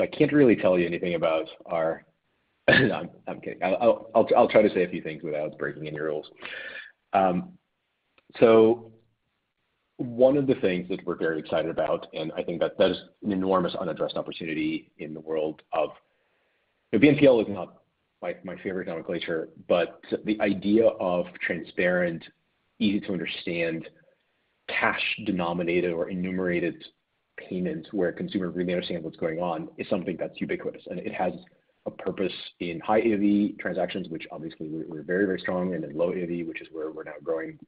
[SPEAKER 3] I can't really tell you anything about our. I'm kidding. I'll try to say a few things without breaking any rules. One of the things that we're very excited about, and I think that is an enormous unaddressed opportunity in the world of BNPL is not my favorite nomenclature, but the idea of transparent, easy-to-understand, cash-denominated or enumerated payment where a consumer really understands what's going on is something that's ubiquitous. It has a purpose in high AOV transactions, which obviously we're very, very strong in, and low AOV, which is where we're now growing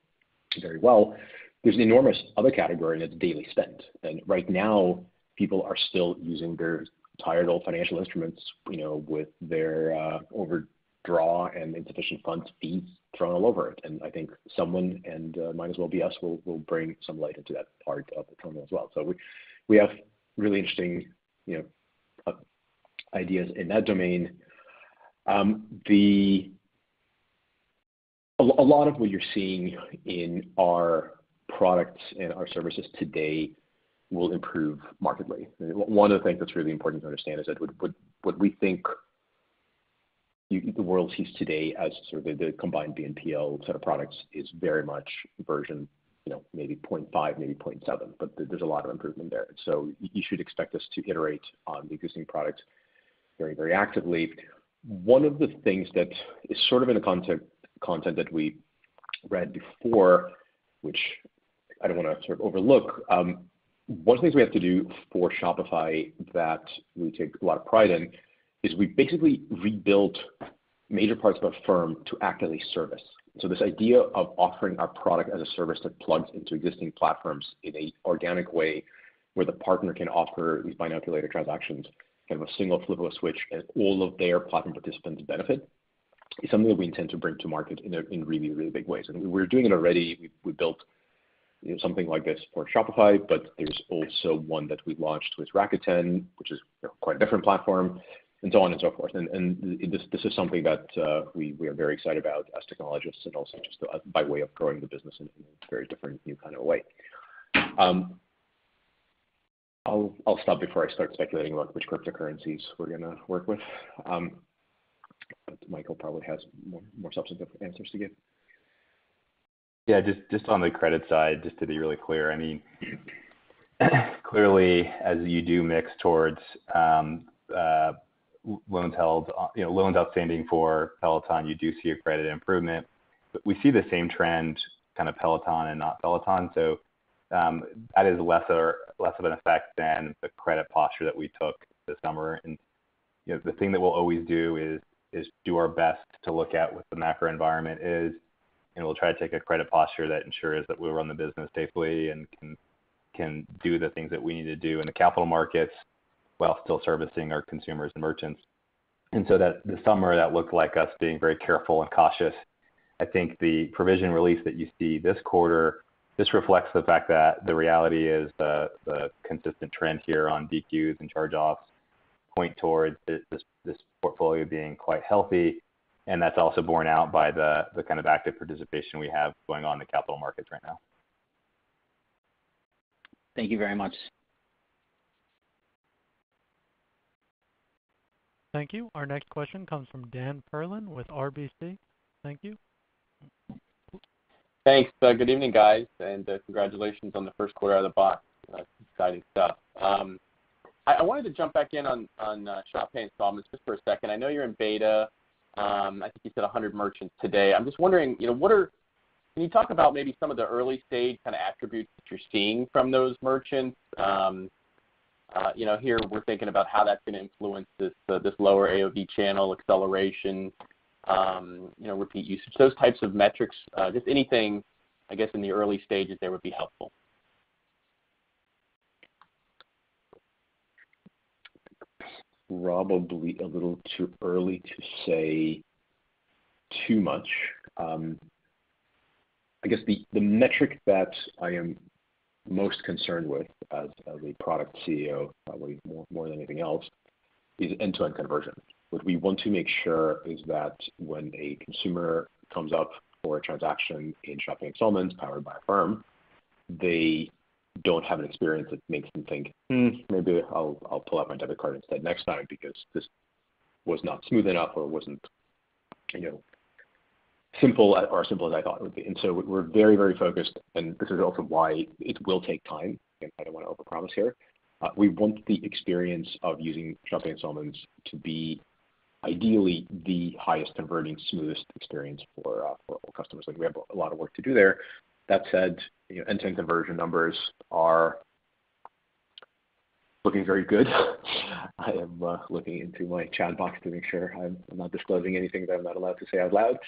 [SPEAKER 3] very well. There's an enormous other category, that's daily spend. Right now, people are still using their tired, old financial instruments, with their overdraw and insufficient funds fees thrown all over it. I think someone, and might as well be us, will bring some light into that part of the tunnel as well. We have really interesting ideas in that domain. A lot of what you're seeing in our products and our services today will improve markedly. One of the things that's really important to understand is that what we think the world sees today as sort of the combined BNPL set of products is very much version maybe 0.5, maybe 0.7, but there's a lot of improvement there. You should expect us to iterate on the existing product very, very actively. One of the things that is sort of in the content that we read before, which I don't want to sort of overlook. One of the things we have to do for Shopify that we take a lot of pride in is we basically rebuilt major parts of Affirm to actively service. This idea of offering our product as a service that plugs into existing platforms in an organic way where the partner can offer these buy now, pay later transactions, kind of a single flip of a switch, and all of their platform participants benefit, is something that we intend to bring to market in really, really big ways. We're doing it already. We built something like this for Shopify, but there's also one that we launched with Rakuten, which is quite a different platform, and so on and so forth. This is something that we are very excited about as technologists, and also just by way of growing the business in a very different new kind of way. I'll stop before I start speculating about which cryptocurrencies we're going to work with. Michael probably has more substantive answers to give.
[SPEAKER 4] Yeah, just on the credit side, just to be really clear. Clearly, as you do mix towards loans outstanding for Peloton, you do see a credit improvement. We see the same trend, kind of Peloton and not Peloton. That is less of an effect than the credit posture that we took this summer. The thing that we'll always do is do our best to look at what the macro environment is, and we'll try to take a credit posture that ensures that we'll run the business safely and can do the things that we need to do in the capital markets while still servicing our consumers and merchants. This summer, that looked like us being very careful and cautious. I think the provision release that you see this quarter, this reflects the fact that the reality is the consistent trend here on Delinquencies and charge-offs point towards this portfolio being quite healthy, and that's also borne out by the kind of active participation we have going on in the capital markets right now.
[SPEAKER 7] Thank you very much.
[SPEAKER 1] Thank you. Our next question comes from Daniel Perlin with RBC. Thank you.
[SPEAKER 8] Thanks. Good evening, guys, and congratulations on the first quarter out of the box. Exciting stuff. I wanted to jump back in on Shop Pay Installments just for a second. I know you're in beta. I think you said 100 merchants today. I'm just wondering, can you talk about maybe some of the early-stage kind of attributes that you're seeing from those merchants? Here we're thinking about how that's going to influence this lower AOV channel acceleration, repeat usage, those types of metrics. Just anything, I guess, in the early stages there would be helpful.
[SPEAKER 3] Probably a little too early to say too much. I guess the metric that I am most concerned with as a product CEO, probably more than anything else, is end-to-end conversion. What we want to make sure is that when a consumer comes up for a transaction in Shopping Installments powered by Affirm, they don't have an experience that makes them think, "Hmm, maybe I'll pull out my debit card instead next time because this was not smooth enough or it wasn't as simple as I thought it would be." We're very, very focused, and this is also why it will take time. Again, I don't want to overpromise here. We want the experience of using Shopping Installments to be ideally the highest converting, smoothest experience for all customers. We have a lot of work to do there. That said, end-to-end conversion numbers are looking very good. I am looking into my chat box to make sure I'm not disclosing anything that I'm not allowed to say out loud.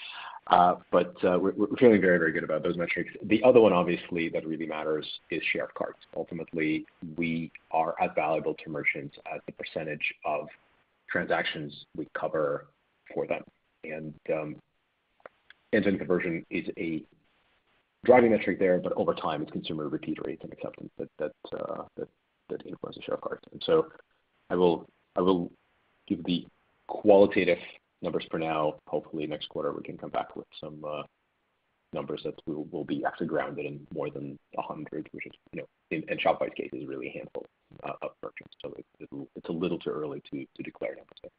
[SPEAKER 3] We're feeling very, very good about those metrics. The other one, obviously, that really matters is share of cart. Ultimately, we are as valuable to merchants as the percentage of transactions we cover for them. End-to-end conversion is a driving metric there. Over time, it's consumer repeat rates and acceptance that influence the share of cart. I will give the qualitative numbers for now. Hopefully next quarter we can come back with some numbers that will be actually grounded in more than 100, which is, in Shopify's case, is really a handful of merchants. It's a little too early to declare an answer.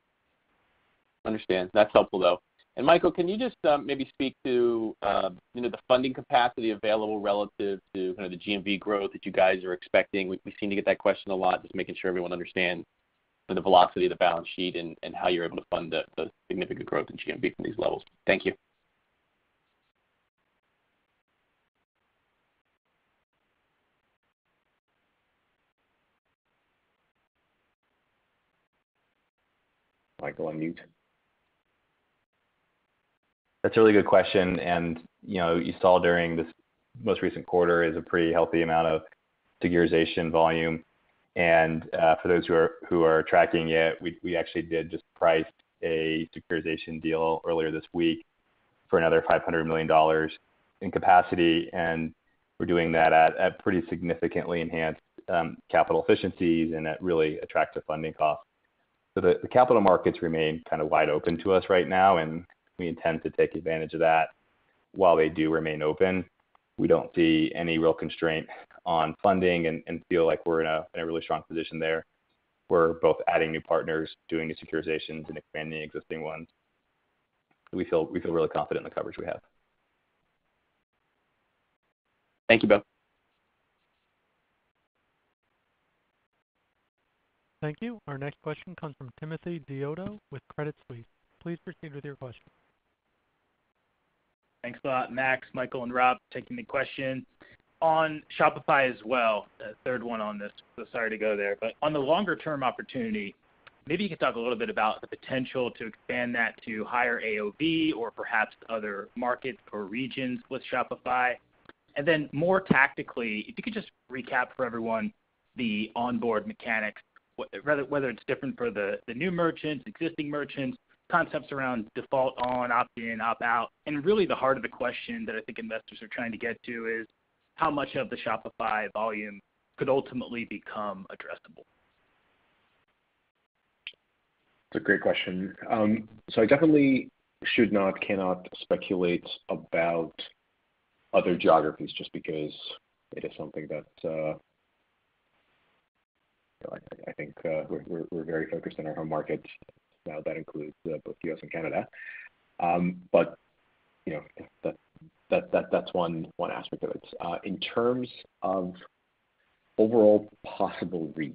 [SPEAKER 8] Understand. That's helpful, though. Michael, can you just maybe speak to the funding capacity available relative to the GMV growth that you guys are expecting? We seem to get that question a lot. Just making sure everyone understand the velocity of the balance sheet and how you're able to fund the significant growth in GMV from these levels. Thank you.
[SPEAKER 3] Michael, unmute.
[SPEAKER 4] That's a really good question. You saw during this most recent quarter is a pretty healthy amount of securitization volume. For those who are tracking it, we actually did just price a securitization deal earlier this week for another $500 million in capacity, and we're doing that at pretty significantly enhanced capital efficiencies and at really attractive funding costs. The capital markets remain kind of wide open to us right now, and we intend to take advantage of that while they do remain open. We don't see any real constraint on funding and feel like we're in a really strong position there. We're both adding new partners, doing the securitizations, and expanding existing ones. We feel really confident in the coverage we have.
[SPEAKER 8] Thank you both.
[SPEAKER 1] Thank you. Our next question comes from Timothy Chiodo with Credit Suisse. Please proceed with your question.
[SPEAKER 9] Thanks a lot, Max, Michael, and Rob, taking the questions. On Shopify as well, the third one on this, sorry to go there. On the longer-term opportunity, maybe you could talk a little bit about the potential to expand that to higher AOV or perhaps other markets or regions with Shopify. More tactically, if you could just recap for everyone the onboard mechanics, whether it's different for the new merchants, existing merchants, concepts around default on, opt-in, opt-out. Really the heart of the question that I think investors are trying to get to is how much of the Shopify volume could ultimately become addressable?
[SPEAKER 3] That's a great question. I definitely should not, cannot speculate about other geographies just because it is something that I think we're very focused on our home markets now. That includes both U.S. and Canada. That's one aspect of it. In terms of overall possible reach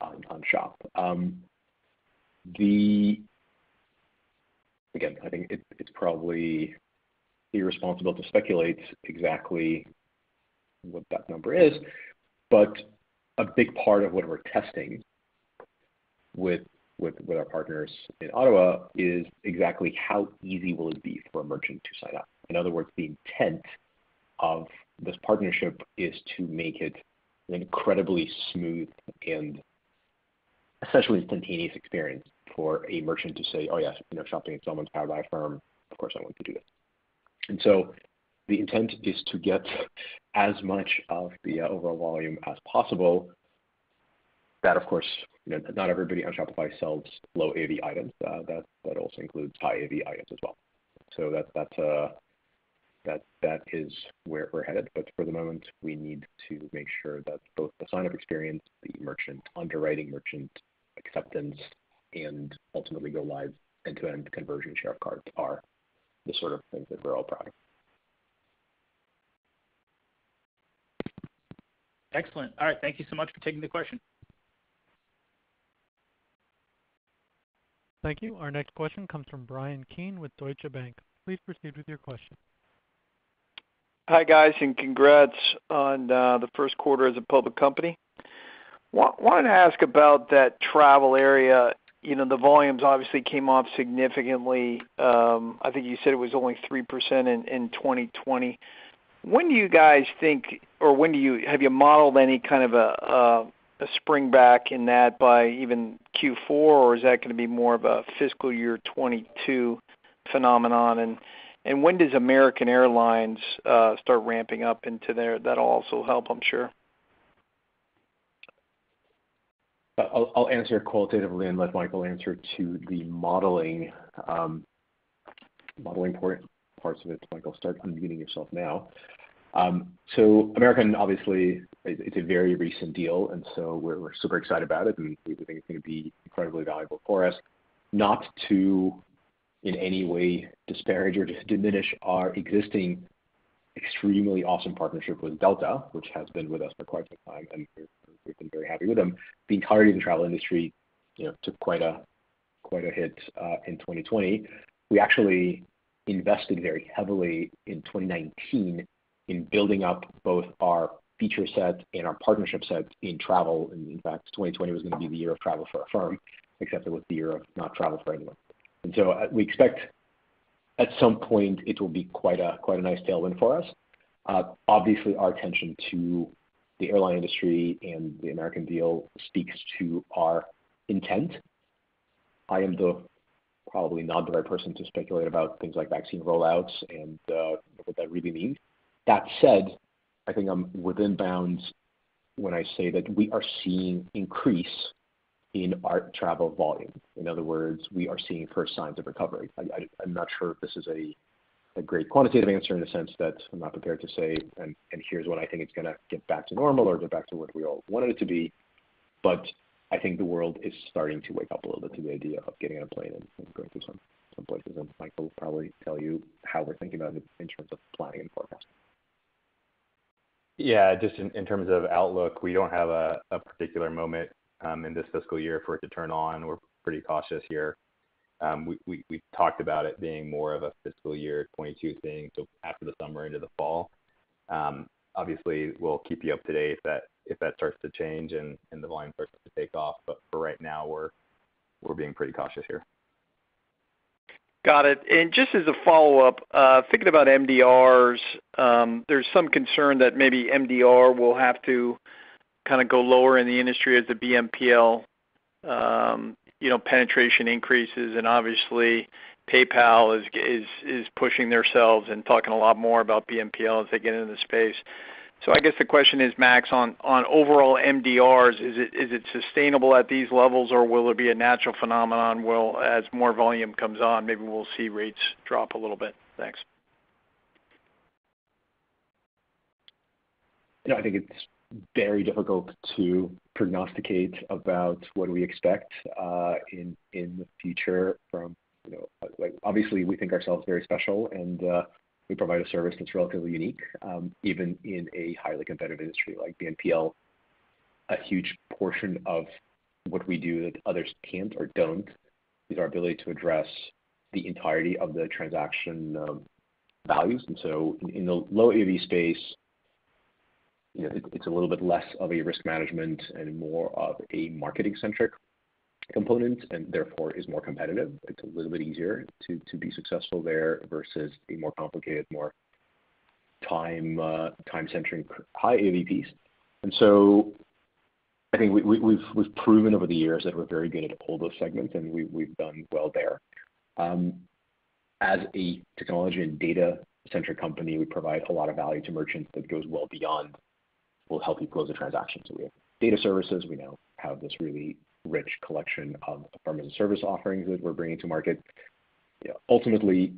[SPEAKER 3] on Shop, again, I think it's probably irresponsible to speculate exactly what that number is. A big part of what we're testing with our partners in Ottawa, is exactly how easy will it be for a merchant to sign up. In other words, the intent of this partnership is to make it an incredibly smooth and essentially instantaneous experience for a merchant to say, "Oh, yes, Shop Pay Installments powered by Affirm. Of course I want to do it." The intent is to get as much of the overall volume as possible. That, of course, not everybody on Shopify sells low-AOV items. That also includes high-AOV items as well. That is where we're headed. For the moment, we need to make sure that both the sign-up experience, the merchant underwriting, merchant acceptance, and ultimately go live end-to-end conversion share of cart are the sort of things that we're all proud of.
[SPEAKER 9] Excellent. All right, thank you so much for taking the question.
[SPEAKER 1] Thank you. Our next question comes from Bryan Keane with Deutsche Bank. Please proceed with your question.
[SPEAKER 10] Hi, guys, congrats on the first quarter as a public company. Wanted to ask about that travel area. The volumes obviously came off significantly. I think you said it was only 3% in 2020. When do you guys think or have you modeled any kind of a spring back in that by even Q4 or is that going to be more of a fiscal year 2022 phenomenon? When does American Airlines start ramping up into there? That'll also help, I'm sure.
[SPEAKER 3] I'll answer qualitatively and let Michael answer to the modeling parts of it. Michael, start unmuting yourself now. American, obviously, it's a very recent deal, and so we're super excited about it, and we think it's going to be incredibly valuable for us, not to, in any way, disparage or diminish our existing extremely awesome partnership with Delta, which has been with us for quite some time, and we've been very happy with them. The entirety of the travel industry took quite a hit in 2020. We actually invested very heavily in 2019 in building up both our feature set and our partnership set in travel. In fact, 2020 was going to be the year of travel for Affirm, except it was the year of not travel for anyone. We expect at some point it will be quite a nice tailwind for us. Obviously, our attention to the airline industry and the American deal speaks to our intent. I am the probably not the right person to speculate about things like vaccine roll-outs and what that really means. That said, I think I'm within bounds when I say that we are seeing increase in our travel volume. In other words, we are seeing first signs of recovery. I'm not sure if this is a great quantitative answer in the sense that I'm not prepared to say, "Here's when I think it's going to get back to normal or get back to what we all want it to be." I think the world is starting to wake up a little bit to the idea of getting on a plane and going to some places, and Michael will probably tell you how we're thinking about it in terms of planning and forecasting.
[SPEAKER 4] Just in terms of outlook, we don't have a particular moment in this fiscal year for it to turn on. We're pretty cautious here. We've talked about it being more of a fiscal year 2022 thing, so after the summer into the fall. We'll keep you up to date if that starts to change and the volume starts to take off. For right now, we're being pretty cautious here.
[SPEAKER 10] Got it. Just as a follow-up, thinking about MDRs, there's some concern that maybe MDR will have to go lower in the industry as the BNPL penetration increases. Obviously PayPal is pushing themselves and talking a lot more about BNPL as they get into the space. I guess the question is, Max, on overall MDRs, is it sustainable at these levels, or will it be a natural phenomenon? Well, as more volume comes on, maybe we'll see rates drop a little bit. Thanks.
[SPEAKER 3] Yeah, I think it's very difficult to prognosticate about what we expect in the future from-- Obviously, we think ourselves very special, and we provide a service that's relatively unique, even in a highly competitive industry like BNPL. A huge portion of what we do that others can't or don't is our ability to address the entirety of the transaction values. In the low AOV space, it's a little bit less of a risk management and more of a marketing-centric component, and therefore is more competitive. It's a little bit easier to be successful there versus the more complicated, more time-centric high AOVs. I think we've proven over the years that we're very good at a pool of segments, and we've done well there. As a technology and data-centric company, we provide a lot of value to merchants that goes well beyond, "We'll help you close the transaction." We have data services. We now have this really rich collection of Affirm as a service offerings that we're bringing to market. Ultimately,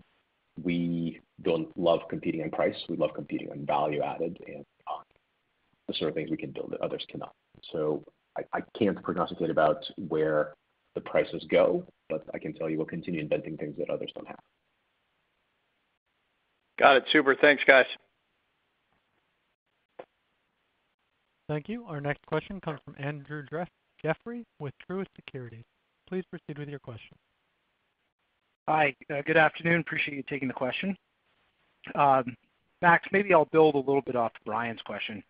[SPEAKER 3] we don't love competing on price. We love competing on value added and the sort of things we can build that others cannot. I can't prognosticate about where the prices go, but I can tell you we'll continue inventing things that others don't have.
[SPEAKER 10] Got it. Super. Thanks, guys.
[SPEAKER 1] Thank you. Our next question comes from Andrew Jeffrey with Truist Securities. Please proceed with your question.
[SPEAKER 11] Hi. Good afternoon. Appreciate you taking the question. Max, maybe I'll build a little bit off Bryan's question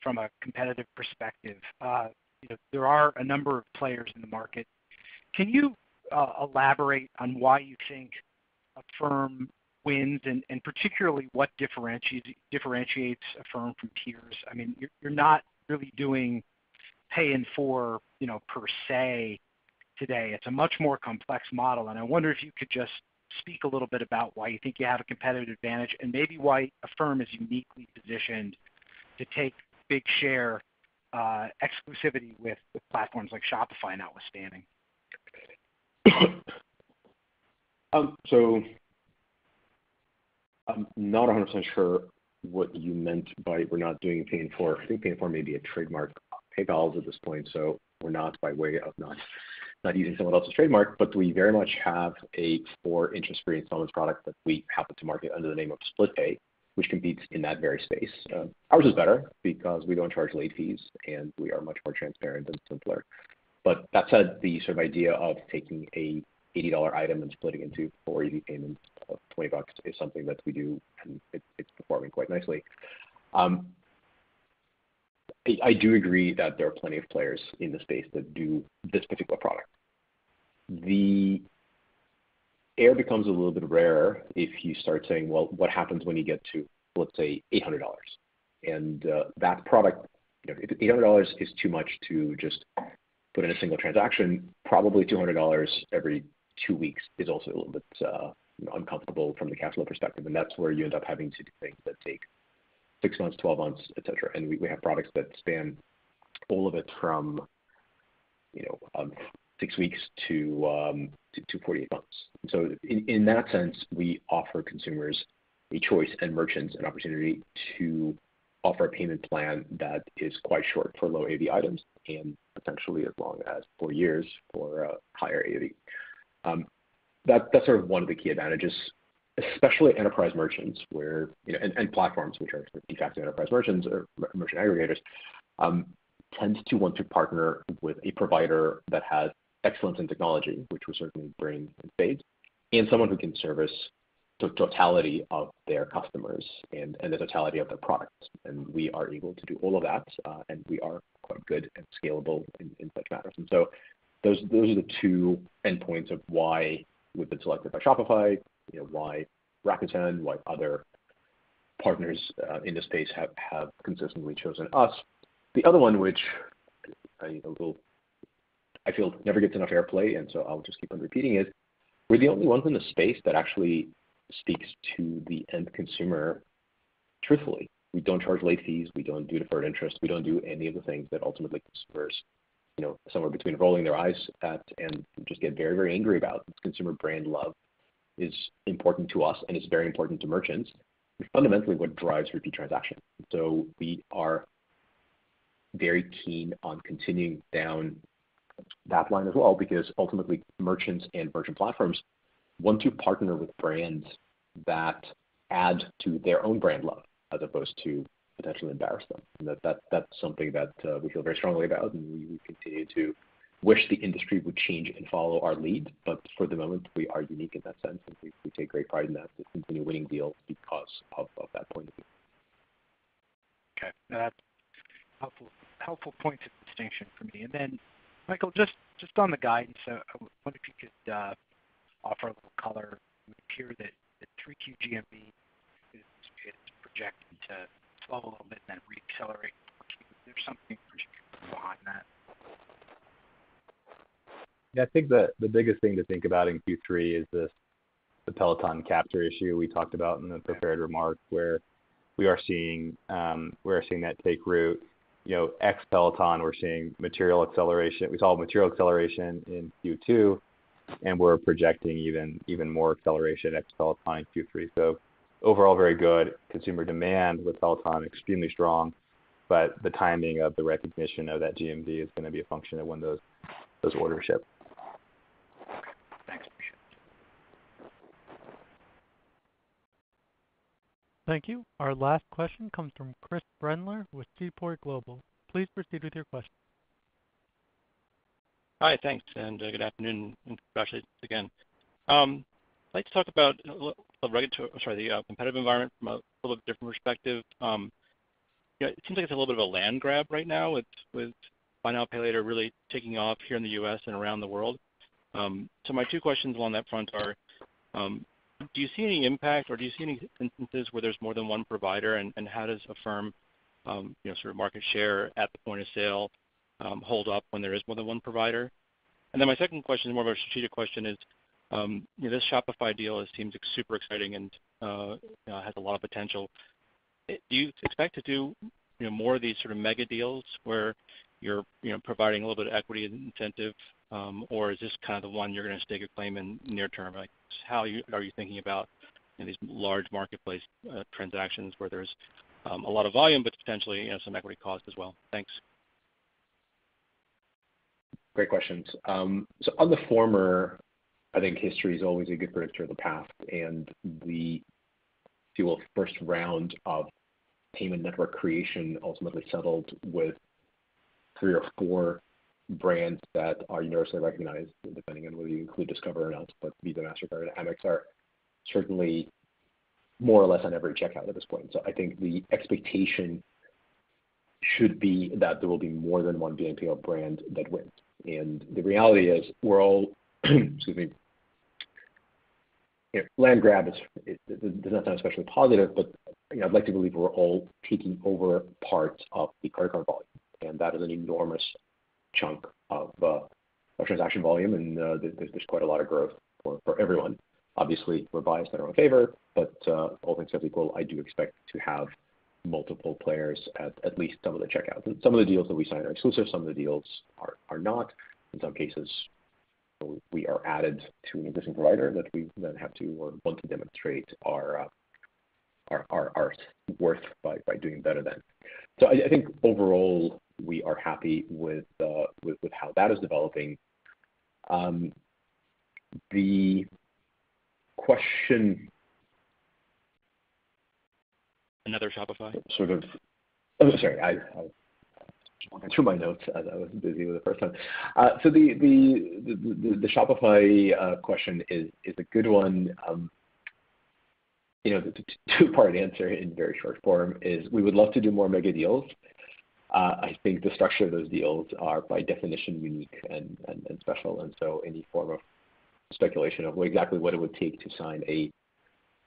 [SPEAKER 11] from a competitive perspective. There are a number of players in the market. Can you elaborate on why you think Affirm wins, and particularly what differentiates Affirm from peers? You're not really doing Pay in 4 per se today. It's a much more complex model, and I wonder if you could just speak a little bit about why you think you have a competitive advantage and maybe why Affirm is uniquely positioned to take big share exclusivity with platforms like Shopify notwithstanding.
[SPEAKER 3] I'm not 100% sure what you meant by we're not doing Pay in 4. I think Pay in 4 may be a trademark of PayPal's at this point, so we're not by way of not using someone else's trademark, but we very much have a four interest-free installments product that we happen to market under the name of Split Pay, which competes in that very space. Ours is better because we don't charge late fees, and we are much more transparent and simpler. That said, the sort of idea of taking an $80 item and splitting it into four easy payments of $20 is something that we do, and it's performing quite nicely. I do agree that there are plenty of players in the space that do this particular product. The air becomes a little bit rarer if you start saying, well, what happens when you get to, let's say, $800? That product, if $800 is too much to just put in a single transaction, probably $200 every two weeks is also a little bit uncomfortable from the capital perspective, and that's where you end up having to do things that take six months, 12 months, et cetera. We have products that span all of it from six weeks to 48 months. In that sense, we offer consumers a choice and merchants an opportunity to offer a payment plan that is quite short for low-AOV items and potentially as long as four years for higher AOV. That's sort of one of the key advantages, especially enterprise merchants where, and platforms which are de facto enterprise merchants or merchant aggregators, tend to want to partner with a provider that has excellence in technology, which we certainly bring in spades, and someone who can service the totality of their customers and the totality of their products. We are able to do all of that, and we are quite good and scalable in such matters. Those are the two endpoints of why we've been selected by Shopify, why Rakuten, why other partners in the space have consistently chosen us. The other one which I feel never gets enough airplay, I'll just keep on repeating it, we're the only ones in the space that actually speaks to the end consumer truthfully. We don't charge late fees. We don't do deferred interest. We don't do any of the things that ultimately consumers, somewhere between rolling their eyes at and just get very angry about. Consumer brand love is important to us, and it's very important to merchants. It's fundamentally what drives repeat transaction. We are very keen on continuing down that line as well because ultimately merchants and merchant platforms want to partner with brands that add to their own brand love as opposed to potentially embarrass them. That's something that we feel very strongly about, and we continue to wish the industry would change and follow our lead. For the moment, we are unique in that sense, and we take great pride in that and continue winning deals because of that point of view.
[SPEAKER 11] Okay. That's helpful points of distinction for me. Michael, just on the guidance, I wonder if you could offer a little color. It would appear that the 3Q GMV is projected to slow a little bit, then re-accelerate in 4Q. Is there something particularly behind that?
[SPEAKER 4] I think the biggest thing to think about in Q3 is the Peloton capture issue we talked about in the prepared remarks, where we are seeing that take root. Ex Peloton, we saw material acceleration in Q2, and we're projecting even more acceleration ex Peloton in Q3. Overall very good consumer demand with Peloton extremely strong, but the timing of the recognition of that GMV is going to be a function of when those orders ship.
[SPEAKER 11] Okay. Thanks, Michael.
[SPEAKER 1] Thank you. Our last question comes from Chris Brendler with Seaport Global. Please proceed with your question.
[SPEAKER 12] Hi, thanks, good afternoon, and congratulations again. I'd like to talk about the competitive environment from a little different perspective. It seems like it's a little bit of a land grab right now with Buy Now, Pay Later really taking off here in the U.S. and around the world. My two questions along that front are: Do you see any impact or do you see any instances where there's more than one provider, and how does Affirm sort of market share at the point of sale hold up when there is more than one provider? My second question is more of a strategic question is, this Shopify deal seems super exciting and has a lot of potential. Do you expect to do more of these sort of mega deals where you're providing a little bit of equity incentive, or is this kind of the one you're going to stake a claim in near term? How are you thinking about these large marketplace transactions where there's a lot of volume, but potentially some equity cost as well? Thanks.
[SPEAKER 3] Great questions. On the former, I think history is always a good predictor of the past, and the few first round of payment network creation ultimately settled with three or four brands that are universally recognized, depending on whether you include Discover or not. Visa, Mastercard, and Amex are certainly more or less on every checkout at this point. I think the expectation should be that there will be more than one BNPL brand that wins. The reality is, excuse me, land grab does not sound especially positive, but I'd like to believe we're all taking over parts of the credit card volume, and that is an enormous chunk of transaction volume, and there's quite a lot of growth for everyone. Obviously, we're biased in our own favor, but all things being equal, I do expect to have multiple players at least some of the checkouts. Some of the deals that we sign are exclusive, some of the deals are not. In some cases, we are added to an existing provider that we then have to or want to demonstrate our worth by doing better then. I think overall we are happy with how that is developing.
[SPEAKER 12] Another Shopify?
[SPEAKER 3] Sorry, I was just walking through my notes as I was busy with the first one. The Shopify question is a good one. The two-part answer in very short form is we would love to do more mega deals. I think the structure of those deals are by definition unique and special, any form of speculation of exactly what it would take to sign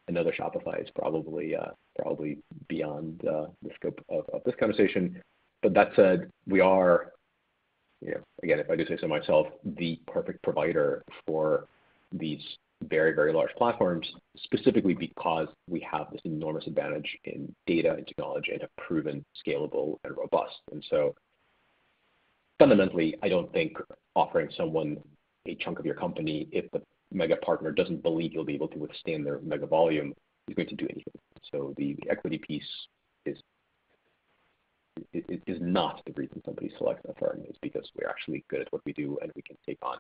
[SPEAKER 3] another Shopify is probably beyond the scope of this conversation. That said, we are, again, if I do say so myself, the perfect provider for these very large platforms, specifically because we have this enormous advantage in data and technology and have proven scalable and robust. Fundamentally, I don't think offering someone a chunk of your company, if the mega partner doesn't believe you'll be able to withstand their mega volume, is going to do anything. The equity piece is not the reason somebody selects Affirm. It's because we're actually good at what we do, and we can take on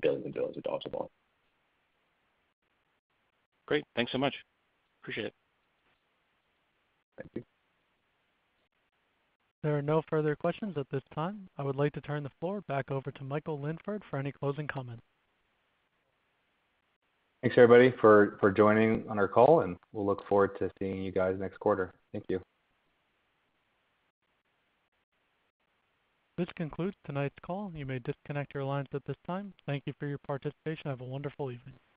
[SPEAKER 3] billions and billions of dollars of volume.
[SPEAKER 12] Great. Thanks so much. Appreciate it.
[SPEAKER 3] Thank you.
[SPEAKER 1] There are no further questions at this time. I would like to turn the floor back over to Michael Linford for any closing comments.
[SPEAKER 4] Thanks everybody for joining on our call, and we'll look forward to seeing you guys next quarter. Thank you.
[SPEAKER 1] This concludes tonight's call. You may disconnect your lines at this time. Thank you for your participation. Have a wonderful evening.